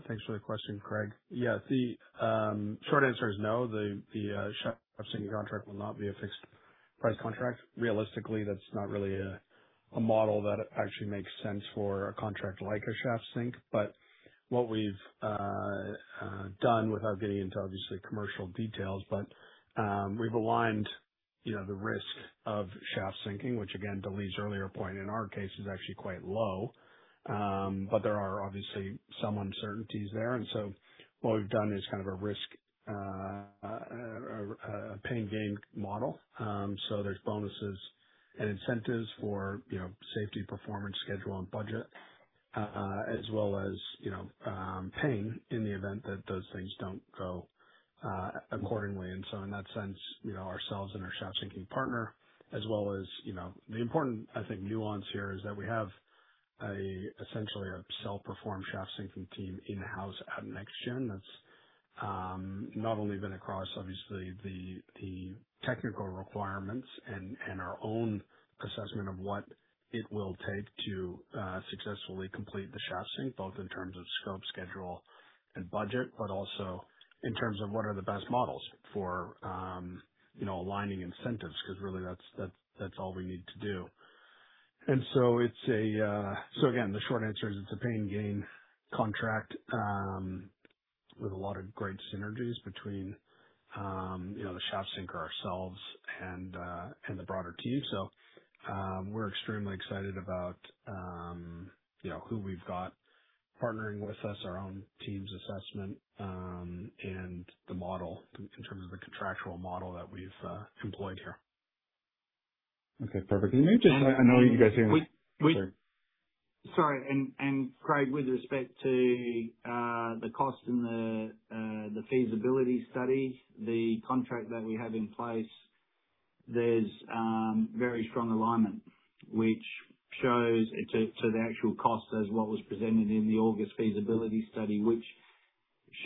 thanks for the question, Craig. The short answer is no. The shaft sinking contract will not be a fixed price contract. Realistically, that's not really a model that actually makes sense for a contract like a shaft sink. What we've done without getting into obviously commercial details, we've aligned, you know, the risk of shaft sinking, which again, to Leigh's earlier point, in our case, is actually quite low. There are obviously some uncertainties there. What we've done is kind of a risk, a pain and gain model. There's bonuses and incentives for, you know, safety, performance, schedule, and budget, as well as, you know, pain in the event that those things don't go accordingly. In that sense, you know, ourselves and our shaft sinking partner as well as, you know. The important, I think, nuance here is that we have a essentially a self-performed shaft sinking team in-house at NexGen. That's not only been across obviously the technical requirements and our own assessment of what it will take to successfully complete the shaft sink, both in terms of scope, schedule, and budget, but also in terms of what are the best models for, you know, aligning incentives, 'cause really that's all we need to do. It's a so again, the short answer is it's a pain and gain contract with a lot of great synergies between, you know, the shaft sinker ourselves and the broader team. We're extremely excited about, you know, who we've got partnering with us, our own team's assessment, and the model in terms of the contractual model that we've employed here. Okay, perfect. We, we- Sorry. Sorry. Craig Hutchison, with respect to the cost and the feasibility study, the contract that we have in place, there's very strong alignment which shows to the actual cost as what was presented in the August feasibility study, which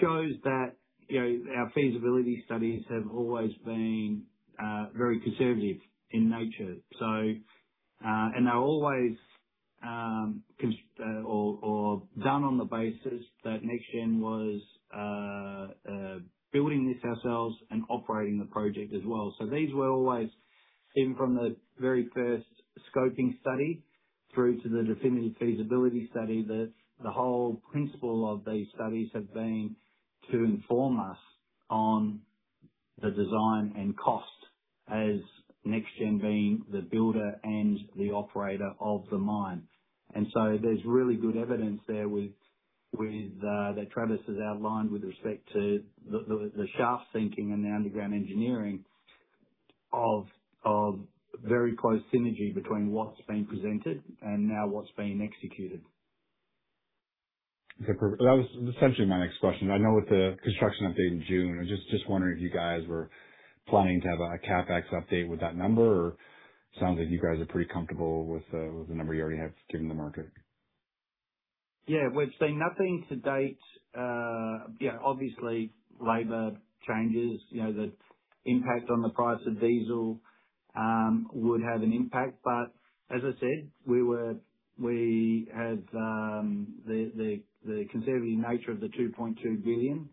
shows that, you know, our feasibility studies have always been very conservative in nature. They were always done on the basis that NexGen was building this ourselves and operating the project as well. These were always, even from the very first scoping study through to the definitive feasibility study, the whole principle of these studies have been to inform us on the design and cost as NexGen being the builder and the operator of the mine. There's really good evidence there with that Travis has outlined with respect to the shaft sinking and the underground engineering of very close synergy between what's being presented and now what's being executed. Okay, That was essentially my next question. I know with the construction update in June, I was just wondering if you guys were planning to have a CapEx update with that number or sounds like you guys are pretty comfortable with the number you already have given the market. Yeah, we've seen nothing to date. Yeah, obviously labor changes, you know, the impact on the price of diesel would have an impact. As I said, we have the conservative nature of the 2.2 billion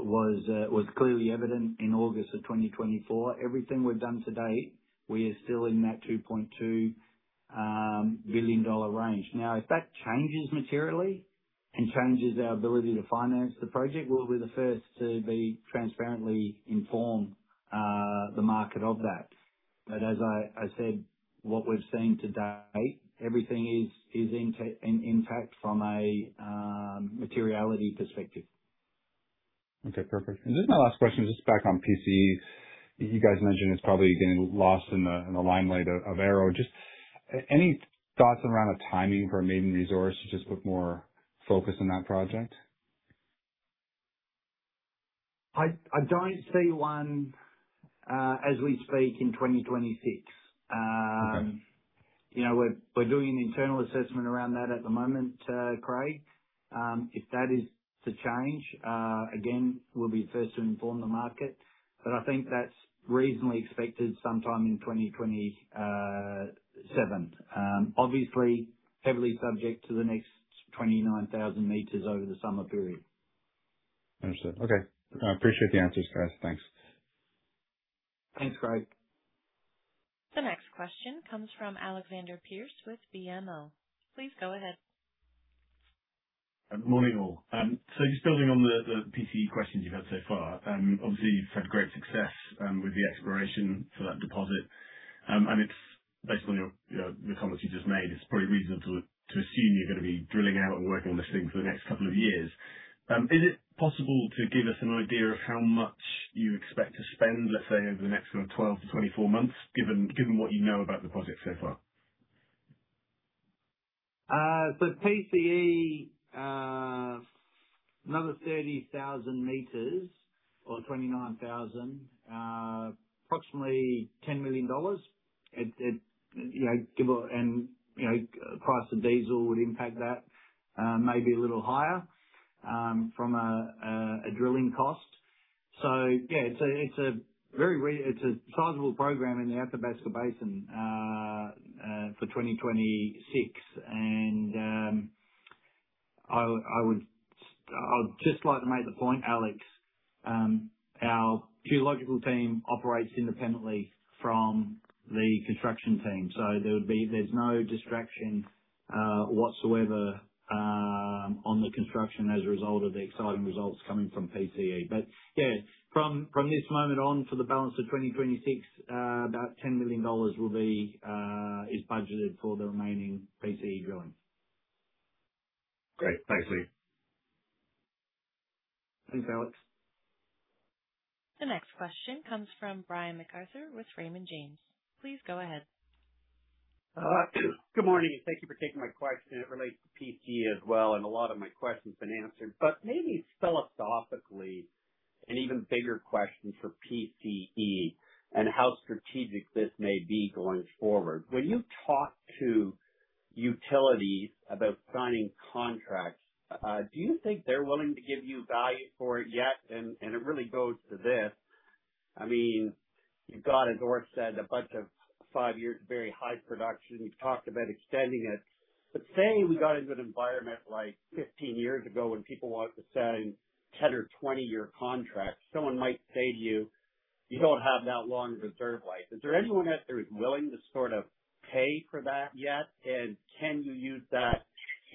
was clearly evident in August of 2024. Everything we've done to date, we are still in that 2.2 billion dollar range. If that changes materially and changes our ability to finance the project, we'll be the first to be transparently inform the market of that. As I said, what we've seen to date, everything is intact from a materiality perspective. My last question, just back on PCE. You guys mentioned it's probably getting lost in the limelight of Arrow. Just any thoughts around a timing for a maiden resource to just put more focus on that project? I don't see one, as we speak in 2026. Okay. You know, we're doing an internal assessment around that at the moment, Craig. If that is to change, again, we'll be first to inform the market. I think that's reasonably expected sometime in 2027. Obviously heavily subject to the next 29,000 meters over the summer period. Understood. Okay. I appreciate the answers, guys. Thanks. Thanks, Craig. The next question comes from Alexander Pearce with BMO Capital Markets. Please go ahead. Good morning, all. Just building on the PCE questions you've had so far, obviously you've had great success with the exploration for that deposit. It's based on your, you know, the comments you just made, it's probably reasonable to assume you're gonna be drilling out and working on this thing for the next couple of years. Is it possible to give us an idea of how much you expect to spend, let's say, over the next sort of 12-24 months, given what you know about the project so far? PCE, another 30,000 meters or 29,000, approximately 10 million dollars. You know, price of diesel would impact that, maybe a little higher from a drilling cost. It's a sizable program in the Athabasca Basin for 2026. I would just like to make the point, Alexander, our geological team operates independently from the construction team, so there would be, there's no distraction whatsoever on the construction as a result of the exciting results coming from PCE. From this moment on for the balance of 2026, about 10 million dollars will be is budgeted for the remaining PCE drilling. Great. Thanks, Leigh. Thanks, Alex. The next question comes from Brian MacArthur with Raymond James. Please go ahead. Good morning, and thank you for taking my question. It relates to PCE as well, and a lot of my question's been answered, but maybe philosophically, an even bigger question for PCE and how strategic this may be going forward. When you talk to utilities about signing contracts, do you think they're willing to give you value for it yet? It really goes to this. I mean, you've got, as Orest said, a bunch of five years, very high production. You've talked about extending it, but saying we got into an environment like 15 years ago when people weren't signing 10 or 20-year contracts, someone might say to you, "You don't have that long of a reserve life." Is there anyone out there who's willing to sort of pay for that yet? Can you use that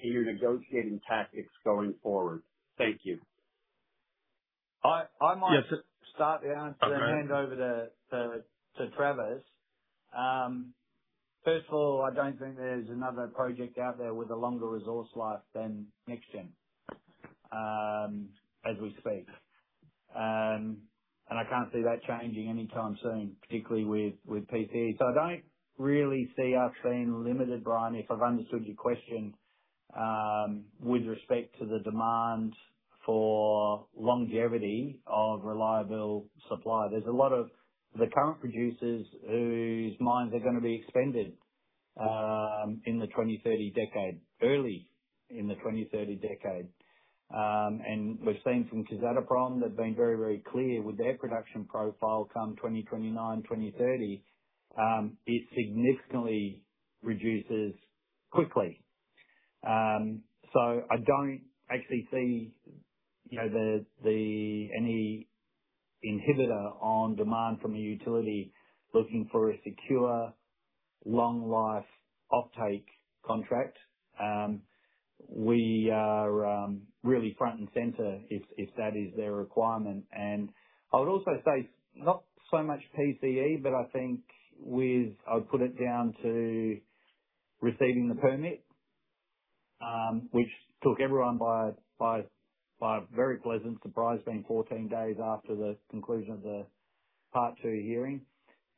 in your negotiating tactics going forward? Thank you. I might- Yes. Just start the answer. Okay. Hand over to Travis. First of all, I don't think there's another project out there with a longer resource life than NexGen as we speak. I can't see that changing anytime soon, particularly with PCE. I don't really see us being limited, Brian, if I've understood your question, with respect to the demand for longevity of reliable supply. There's a lot of the current producers whose mines are going to be expended in the 2030 decade, early in the 2030 decade. We've seen from Kazatomprom, they've been very, very clear with their production profile come 2029, 2030, it significantly reduces quickly. I don't actually see, you know, any inhibitor on demand from a utility looking for a secure long life offtake contract. We are really front and center if that is their requirement. I would also say, not so much PCE, but I think with I would put it down to receiving the permit, which took everyone by a very pleasant surprise, being 14 days after the conclusion of the Part 2 hearing.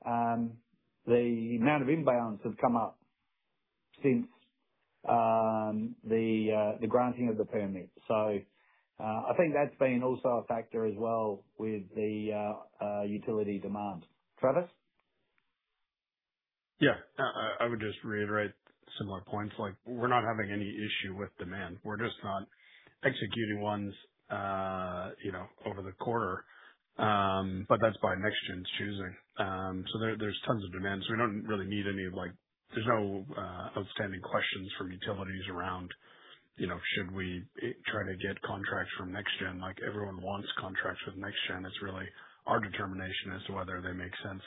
The amount of inbounds has come up since the granting of the permit. I think that's been also a factor as well with the utility demand. Travis? Yeah. I would just reiterate similar points we're not having any issue with demand. We're just not executing ones over the quarter. That's by NexGen's choosing. There's tons of demand, so we don't really need any, there's no outstanding questions from utilities around should we try to get contracts from NexGen? Everyone wants contracts with NexGen. It's really our determination as to whether they make sense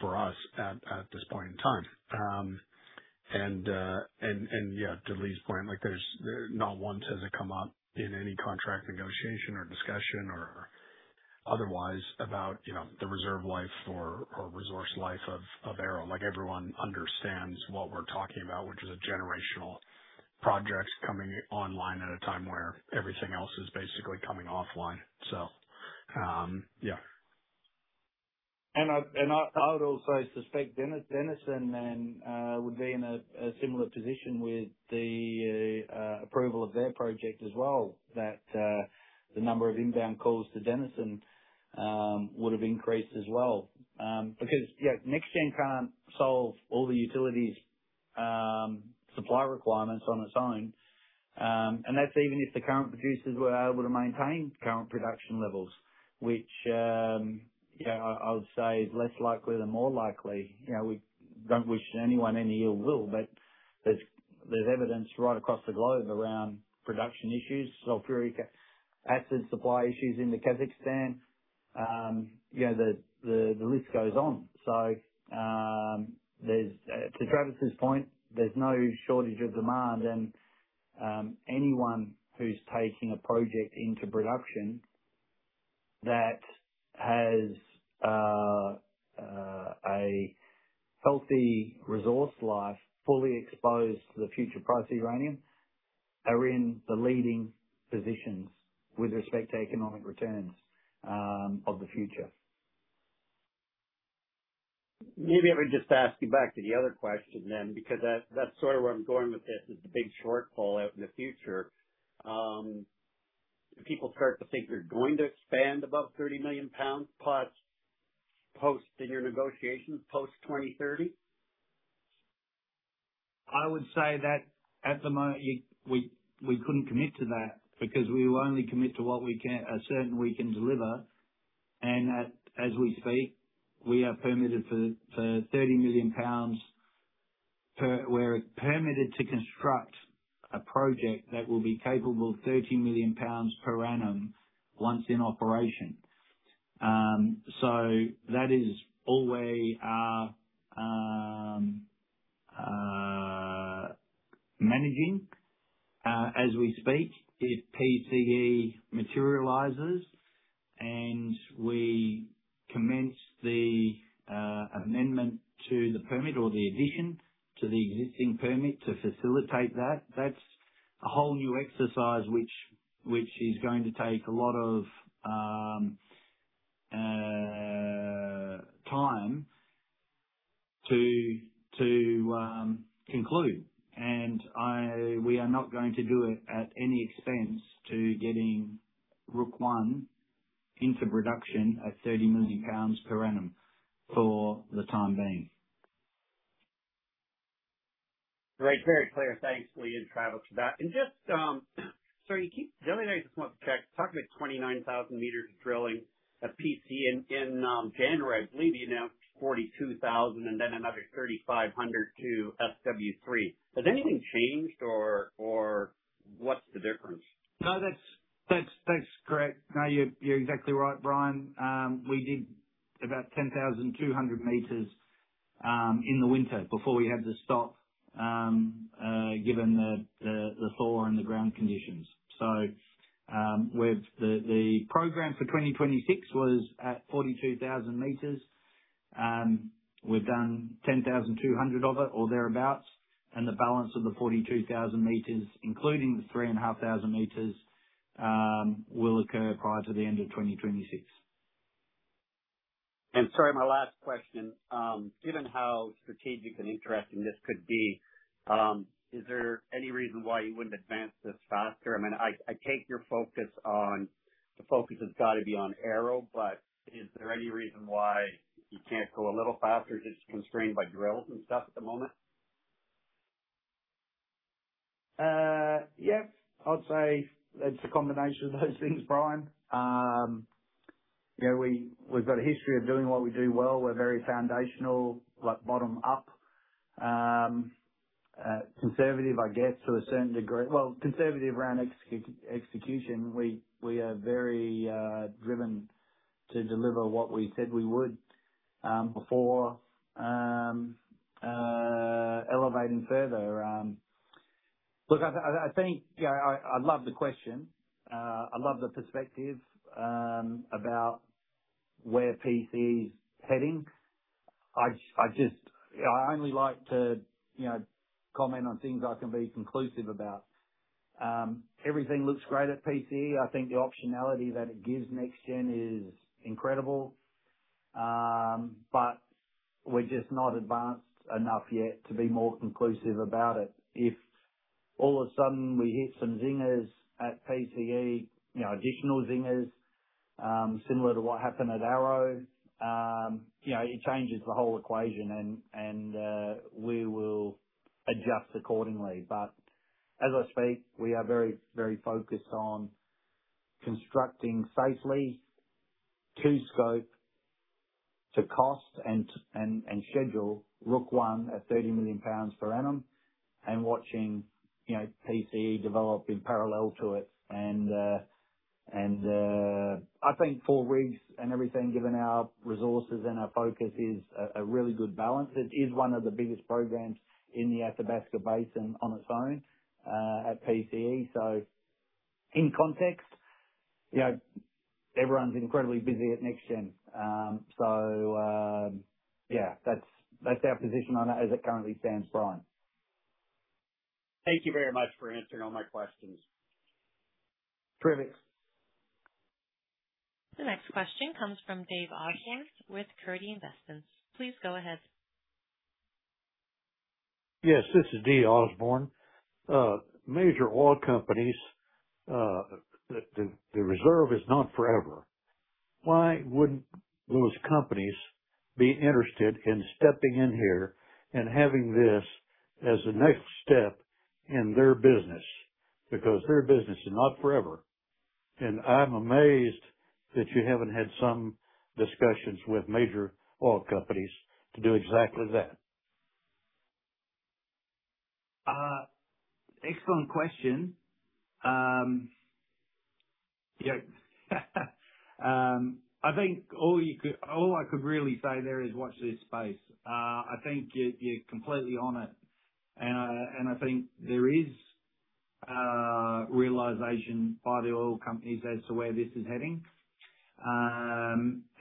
for us at this point in time. Yeah, to Leigh's point, there's not once has it come up in any contract negotiation or discussion or otherwise about the reserve life or resource life of Arrow. Like everyone understands what we're talking about, which is a generational projects coming online at a time where everything else is basically coming offline. I would also suspect Denison then would be in a similar position with the approval of their project as well that the number of inbound calls to Denison would have increased as well. Because NexGen can't solve all the utilities' supply requirements on its own. That's even if the current producers were able to maintain current production levels, which I would say is less likely than more likely. You know, we don't wish anyone any ill will, but there's evidence right across the globe around production issues, sulfuric acid supply issues into Kazakhstan. You know, the list goes on. To Travis's point, there's no shortage of demand and anyone who's taking a project into production that has a healthy resource life fully exposed to the future price of uranium are in the leading positions with respect to economic returns of the future. Maybe let me just ask you back to the other question then, because that's sort of where I'm going with this, is the big shortfall out in the future. People start to think they're going to expand above 30 million pounds post in your negotiations, post 2030. I would say that at the moment, we couldn't commit to that because we will only commit to what we are certain we can deliver. At, as we speak, we are permitted to construct a project that will be capable of 30 million pounds per annum once in operation. That is all we are managing. As we speak, if PCE materializes and we commence the amendment to the permit or the addition to the existing permit to facilitate that's a whole new exercise which is going to take a lot of time to conclude. I we are not going to do it at any expense to getting Rook I into production at 30 million pounds per annum for the time being. Great. Very clear. Thanks, Leigh and Travis, for that. Sorry, the only thing I just want to check, you talked about 29,000 meters of drilling at PCE in January. I believe you announced 42,000 and then another 3,500 to SW3. Has anything changed or what's the difference? No, that's correct. No, you're exactly right, Brian. We did about 10,200 meters in the winter before we had to stop given the thaw and the ground conditions. The program for 2026 was at 42,000 meters. We've done 10,200 of it or thereabouts, and the balance of the 42,000 meters, including the 3,500 meters, will occur prior to the end of 2026. Sorry, my last question. Given how strategic and interesting this could be, is there any reason why you wouldn't advance this faster? I mean, I take your focus on the focus has got to be on Arrow, is there any reason why you can't go a little faster? Is it constrained by drills and stuff at the moment? Yeah, I'd say it's a combination of those things, Brian. You know, we've got a history of doing what we do well. We're very foundational, like bottom up, conservative, I guess, to a certain degree. Well, conservative around execution. We are very driven to deliver what we said we would before elevating further. Look, I think, you know, I love the question. I love the perspective about where PCE is heading. I just, I only like to, you know, comment on things I can be conclusive about. Everything looks great at PCE. I think the optionality that it gives NexGen is incredible. We're just not advanced enough yet to be more conclusive about it. If all of a sudden we hit some zingers at PCE, you know, additional zingers, similar to what happened at Arrow, you know, it changes the whole equation and we will adjust accordingly. As I speak, we are very focused on constructing safely to scope, to cost, and schedule Rook I at 30 million pounds per annum and watching, you know, PCE develop in parallel to it. I think four rigs and everything, given our resources and our focus, is a really good balance. It is one of the biggest programs in the Athabasca Basin on its own at PCE. In context, you know, everyone's incredibly busy at NexGen. Yeah, that's our position on it as it currently stands, Brian. Thank you very much for answering all my questions. Privilege. The next question comes from Dave Osborne with Carden Investments. Please go ahead. Yes, this is Dave Osborne. Major oil companies, the reserve is not forever. Why wouldn't those companies be interested in stepping in here and having this as the next step in their business? Because their business is not forever. I'm amazed that you haven't had some discussions with major oil companies to do exactly that. Excellent question. Yeah. I think all I could really say there is watch this space. I think you're completely on it. I think there is realization by the oil companies as to where this is heading.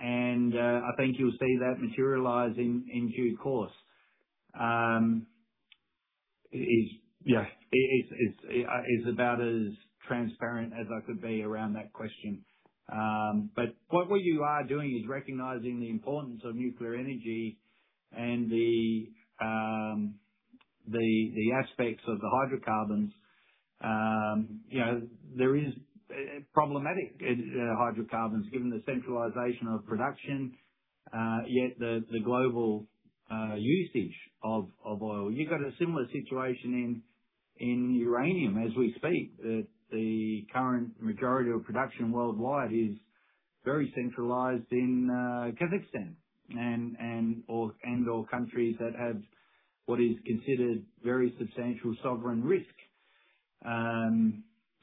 I think you'll see that materialize in due course. It is, yeah, it's about as transparent as I could be around that question. But what you are doing is recognizing the importance of nuclear energy and the aspects of the hydrocarbons. You know, there is problematic hydrocarbons given the centralization of production, yet the global usage of oil. You've got a similar situation in uranium as we speak. The current majority of production worldwide is very centralized in Kazakhstan and/or countries that have what is considered very substantial sovereign risk.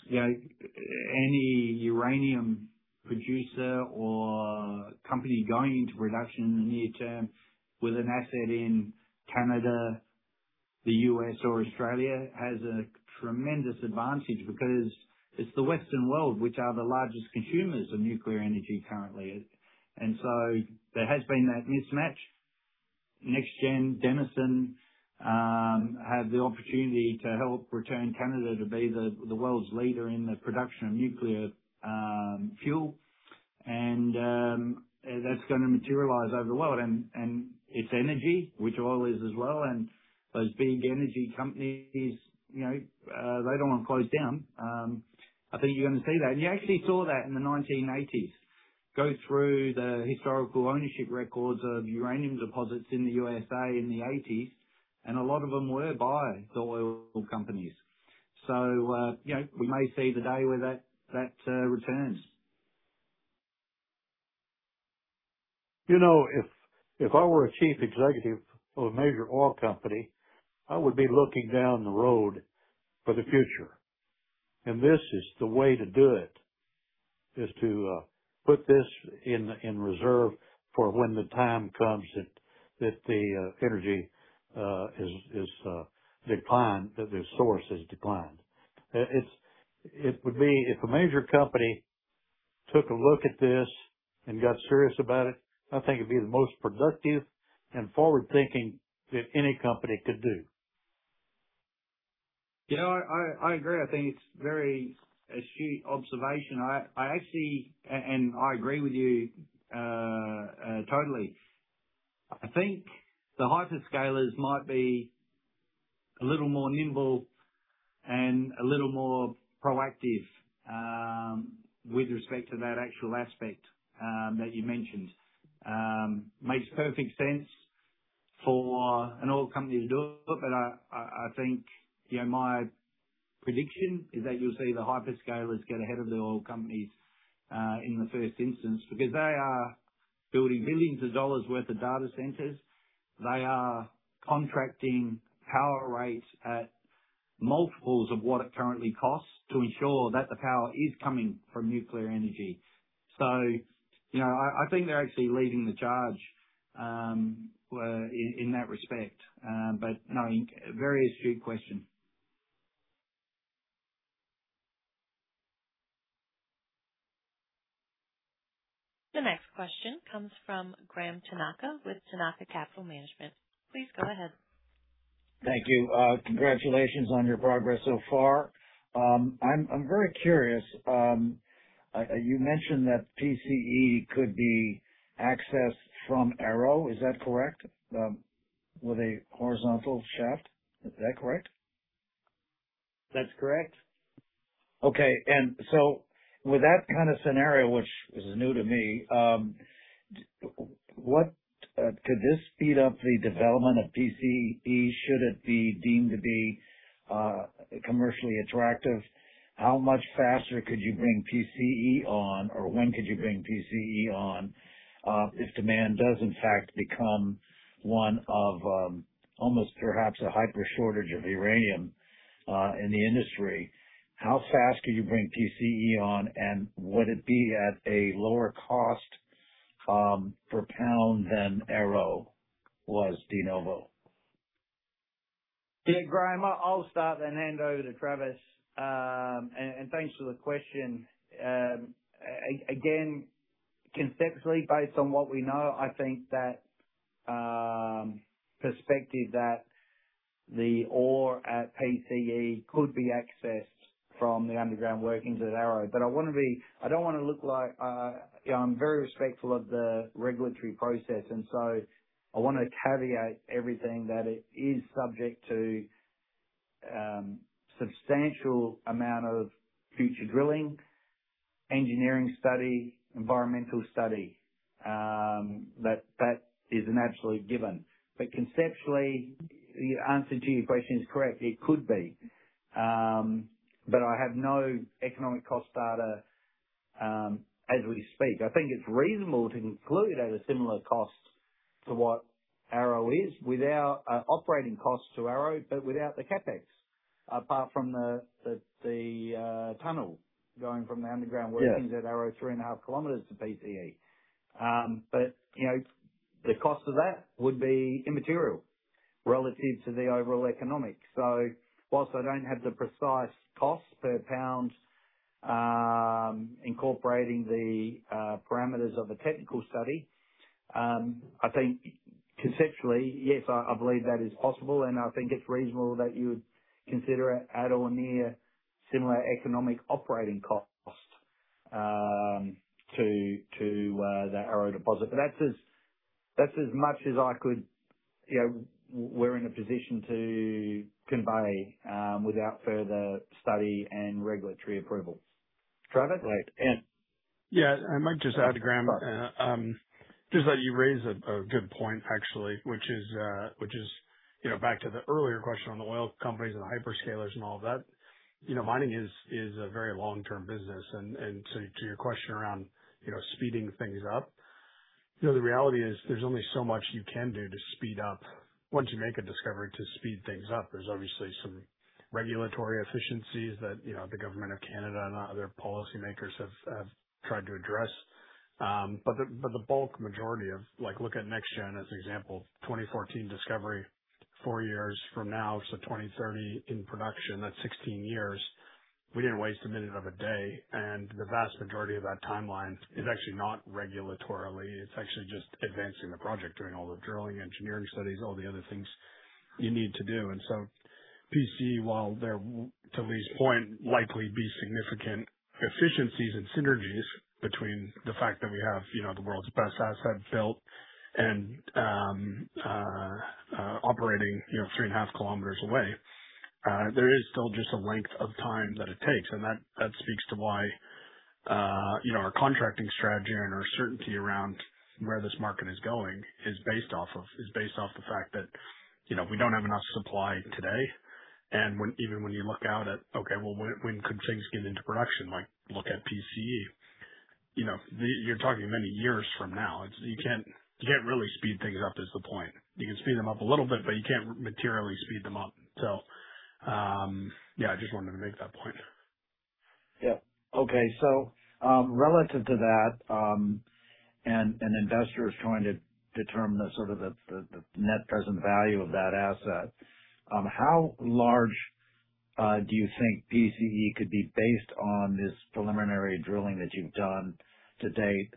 You know, any uranium producer or company going into production near term with an asset in Canada, the U.S. or Australia has a tremendous advantage because it's the Western world which are the largest consumers of nuclear energy currently. There has been that mismatch. NexGen, Denison, have the opportunity to help return Canada to be the world's leader in the production of nuclear fuel. That's gonna materialize over the world and it's energy, which oil is as well. Those big energy companies, you know, they don't want to close down. I think you're gonna see that. You actually saw that in the 1980s go through the historical ownership records of uranium deposits in the USA in the 1980s, and a lot of them were by the oil companies. You know, we may see the day where that returns. You know, if I were a chief executive of a major oil company, I would be looking down the road for the future. This is the way to do it, is to put this in reserve for when the time comes that the energy is declined, that the source is declined. It would be if a major company took a look at this and got serious about it. I think it'd be the most productive and forward-thinking that any company could do. Yeah, I agree. I think it's very astute observation. I actually and I agree with you totally. I think the hyperscalers might be a little more nimble and a little more proactive with respect to that actual aspect that you mentioned. Makes perfect sense for an oil company to do it, but I think, you know, my prediction is that you'll see the hyperscalers get ahead of the oil companies in the first instance, because they are building billions of CAD worth of data centers. They are contracting power rates at multiples of what it currently costs to ensure that the power is coming from nuclear energy. You know, I think they're actually leading the charge in that respect. No, very astute question. The next question comes from Graham Tanaka with Tanaka Capital Management. Please go ahead. Thank you. Congratulations on your progress so far. I'm very curious. You mentioned that PCE could be accessed from Arrow. Is that correct? With a horizontal shaft, is that correct? That's correct. Okay. With that kind of scenario, which is new to me, what, could this speed up the development of PCE? Should it be deemed to be commercially attractive? How much faster could you bring PCE on, or when could you bring PCE on, if demand does in fact become one of, almost perhaps a hyper shortage of uranium, in the industry? How fast could you bring PCE on, and would it be at a lower cost, per pound than Arrow was de novo? Yeah, Graham, I'll start then hand over to Travis. Thanks for the question. Again, conceptually based on what we know, I think that perspective that the ore at PCE could be accessed from the underground workings at Arrow. I wanna be I don't wanna look like, you know, I'm very respectful of the regulatory process, I wanna caveat everything that it is subject to substantial amount of future drilling, engineering study, environmental study. That is an absolute given. Conceptually, the answer to your question is correct. It could be. I have no economic cost data as we speak. I think it's reasonable to include at a similar cost to what Arrow is without operating costs to Arrow, without the CapEx, apart from the tunnel going from the underground- Yes workings at Arrow 3.5 km to PCE. But you know, the cost of that would be immaterial relative to the overall economics. So whilst I don't have the precise cost per pound, incorporating the parameters of the technical study, I think conceptually, yes, I believe that is possible and I think it's reasonable that you would consider it at or near similar economic operating costs, to, the Arrow deposit. But that's as, that's as much as I could, you know, we're in a position to convey, without further study and regulatory approvals. Travis? Great. Yeah, I might just add to Graham. Just that you raise a good point actually, which is, you know, back to the earlier question on the oil companies and the hyperscalers and all of that. You know, mining is a very long-term business. To your question around, you know, speeding things up. You know, the reality is there's only so much you can do to speed up once you make a discovery to speed things up. There's obviously some regulatory efficiencies that, you know, the government of Canada and other policymakers have tried to address. The bulk majority of, like, look at NexGen as an example, 2014 discovery four years from now, so 2030 in production, that's 16 years. We didn't waste a minute of a day, the vast majority of that timeline is actually not regulatory. It's actually just advancing the project, doing all the drilling, engineering studies, all the other things you need to do. PCE, while there to Leigh's point, likely be significant efficiencies and synergies between the fact that we have, you know, the world's best asset built and operating, you know, 3.5 km away. There is still just a length of time that it takes. That speaks to why, you know, our contracting strategy and our certainty around where this market is going is based off the fact that, you know, we don't have enough supply today. Even when you look out at, okay, well, when could things get into production? Look at PCE. You know, you're talking many years from now. It's, you can't really speed things up is the point. You can speed them up a little bit, but you can't materially speed them up. Yeah, I just wanted to make that point. Yeah. Okay. Relative to that, an investor is trying to determine the sort of the net present value of that asset, how large do you think PCE could be based on this preliminary drilling that you've done to date?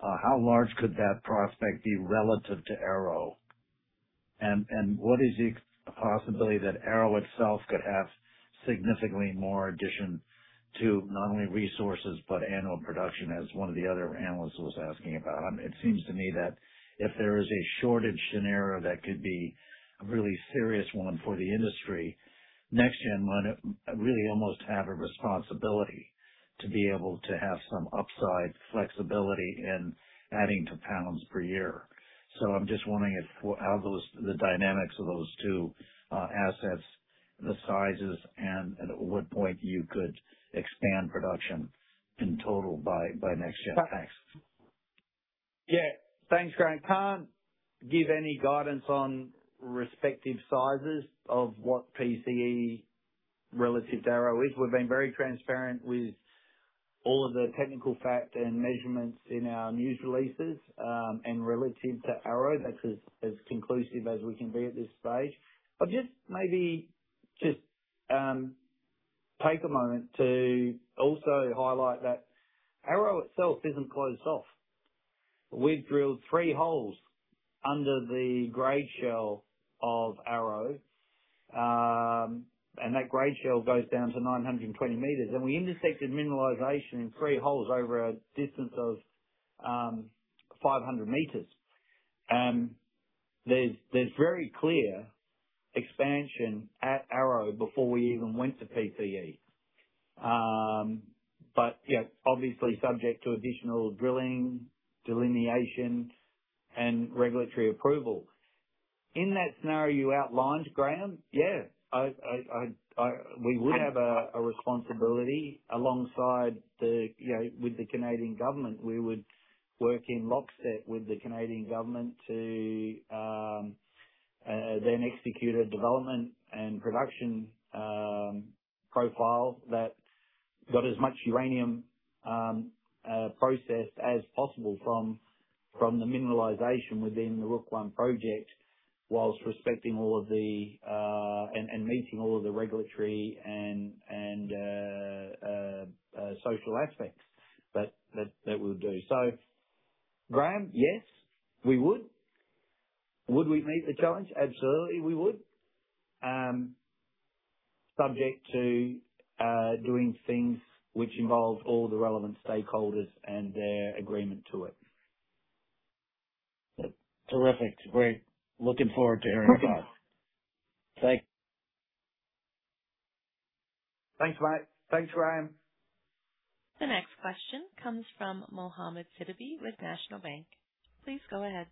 How large could that prospect be relative to Arrow? What is the possibility that Arrow itself could have significantly more addition to not only resources but annual production, as one of the other analysts was asking about? It seems to me that if there is a shortage scenario that could be a really serious one for the industry, NexGen might really almost have a responsibility to be able to have some upside flexibility in adding to pounds per year. I'm just wondering if how those, the dynamics of those two assets, the sizes, and at what point you could expand production in total by NexGen. Thanks. Yeah. Thanks, Graham. Can't give any guidance on respective sizes of what PCE relative to Arrow is. We've been very transparent with all of the technical facts and measurements in our news releases, and relative to Arrow. That's as conclusive as we can be at this stage. Just maybe take a moment to also highlight that Arrow itself isn't closed off. We've drilled three holes under the grade shell of Arrow, and that grade shell goes down to 920 meters. We intersected mineralization in three holes over a distance of 500 meters. There's very clear expansion at Arrow before we even went to PCE. Yeah, obviously subject to additional drilling, delineation, and regulatory approval. In that scenario you outlined, Graham, we would have a responsibility alongside the with the Canadian government. We would work in lockstep with the Canadian government to then execute a development and production profile that got as much uranium processed as possible from the mineralization within the Rook I Project, whilst respecting all of the and meeting all of the regulatory and social aspects that would do. Graham, yes, we would. Would we meet the challenge? Absolutely, we would. Subject to doing things which involve all the relevant stakeholders and their agreement to it. Terrific. Great. Looking forward to hearing about it. Okay. Thanks. Thanks, mate. Thanks, Graham. The next question comes from Mohamed Sidibé with National Bank. Please go ahead.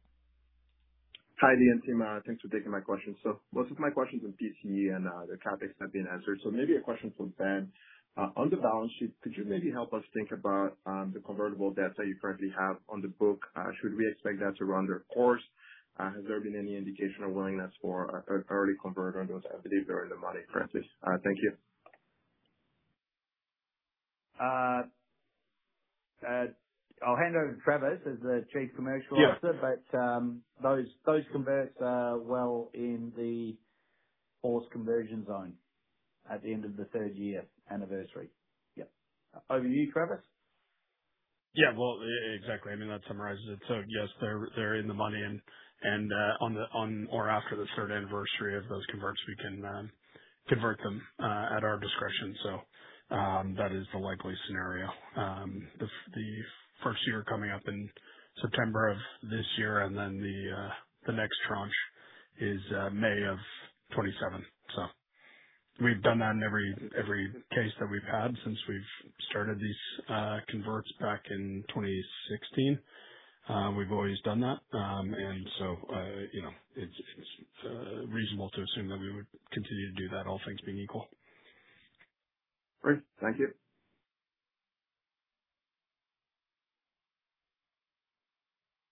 Hi, Leigh and team. Thanks for taking my question. Most of my questions on PCE and the topics have been answered. Maybe a question for Ben. On the balance sheet, could you maybe help us think about the convertible debts that you currently have on the book? Should we expect that to run their course? Has there been any indication or willingness for an early convert on those? I believe they're in the money presently. Thank you. I'll hand over to Travis as the Chief Commercial Officer. Yeah. Those converts are well in the forced conversion zone at the end of the third year anniversary. Yeah. Over to you, Travis. Well, exactly. I mean, that summarizes it. Yes, they're in the money and on or after the third anniversary of those converts, we can convert them at our discretion. That is the likely scenario. The first year coming up in September of this year, and then the next tranche is May of 2027. We've done that in every case that we've had since we've started these converts back in 2016. We've always done that. You know, it's reasonable to assume that we would continue to do that, all things being equal. Great. Thank you.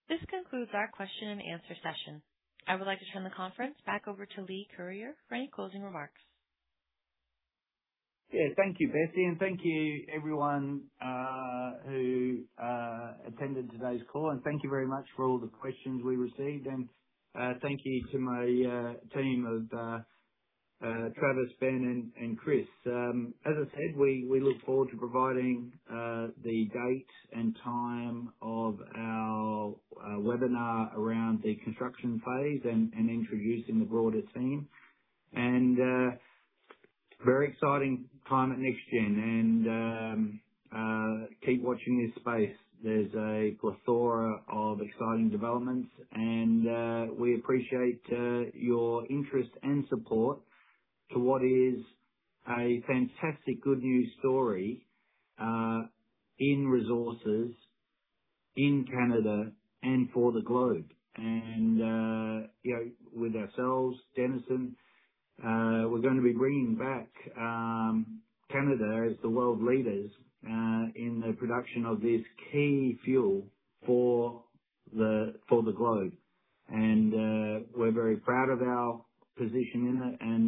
This concludes our question and answer session. I would like to turn the conference back over to Leigh Curyer for any closing remarks. Yeah. Thank you, Katie. Thank you everyone who attended today's call. Thank you very much for all the questions we received. Thank you to my team of Travis, Benjamin, and Chris. As I said, we look forward to providing the date and time of our webinar around the construction phase and introducing the broader team. Very exciting time at NexGen. Keep watching this space. There's a plethora of exciting developments, we appreciate your interest and support to what is a fantastic good news story in resources in Canada and for the globe. You know, with ourselves, Denison, we're gonna be bringing back Canada as the world leaders in the production of this key fuel for the globe. We're very proud of our position in it.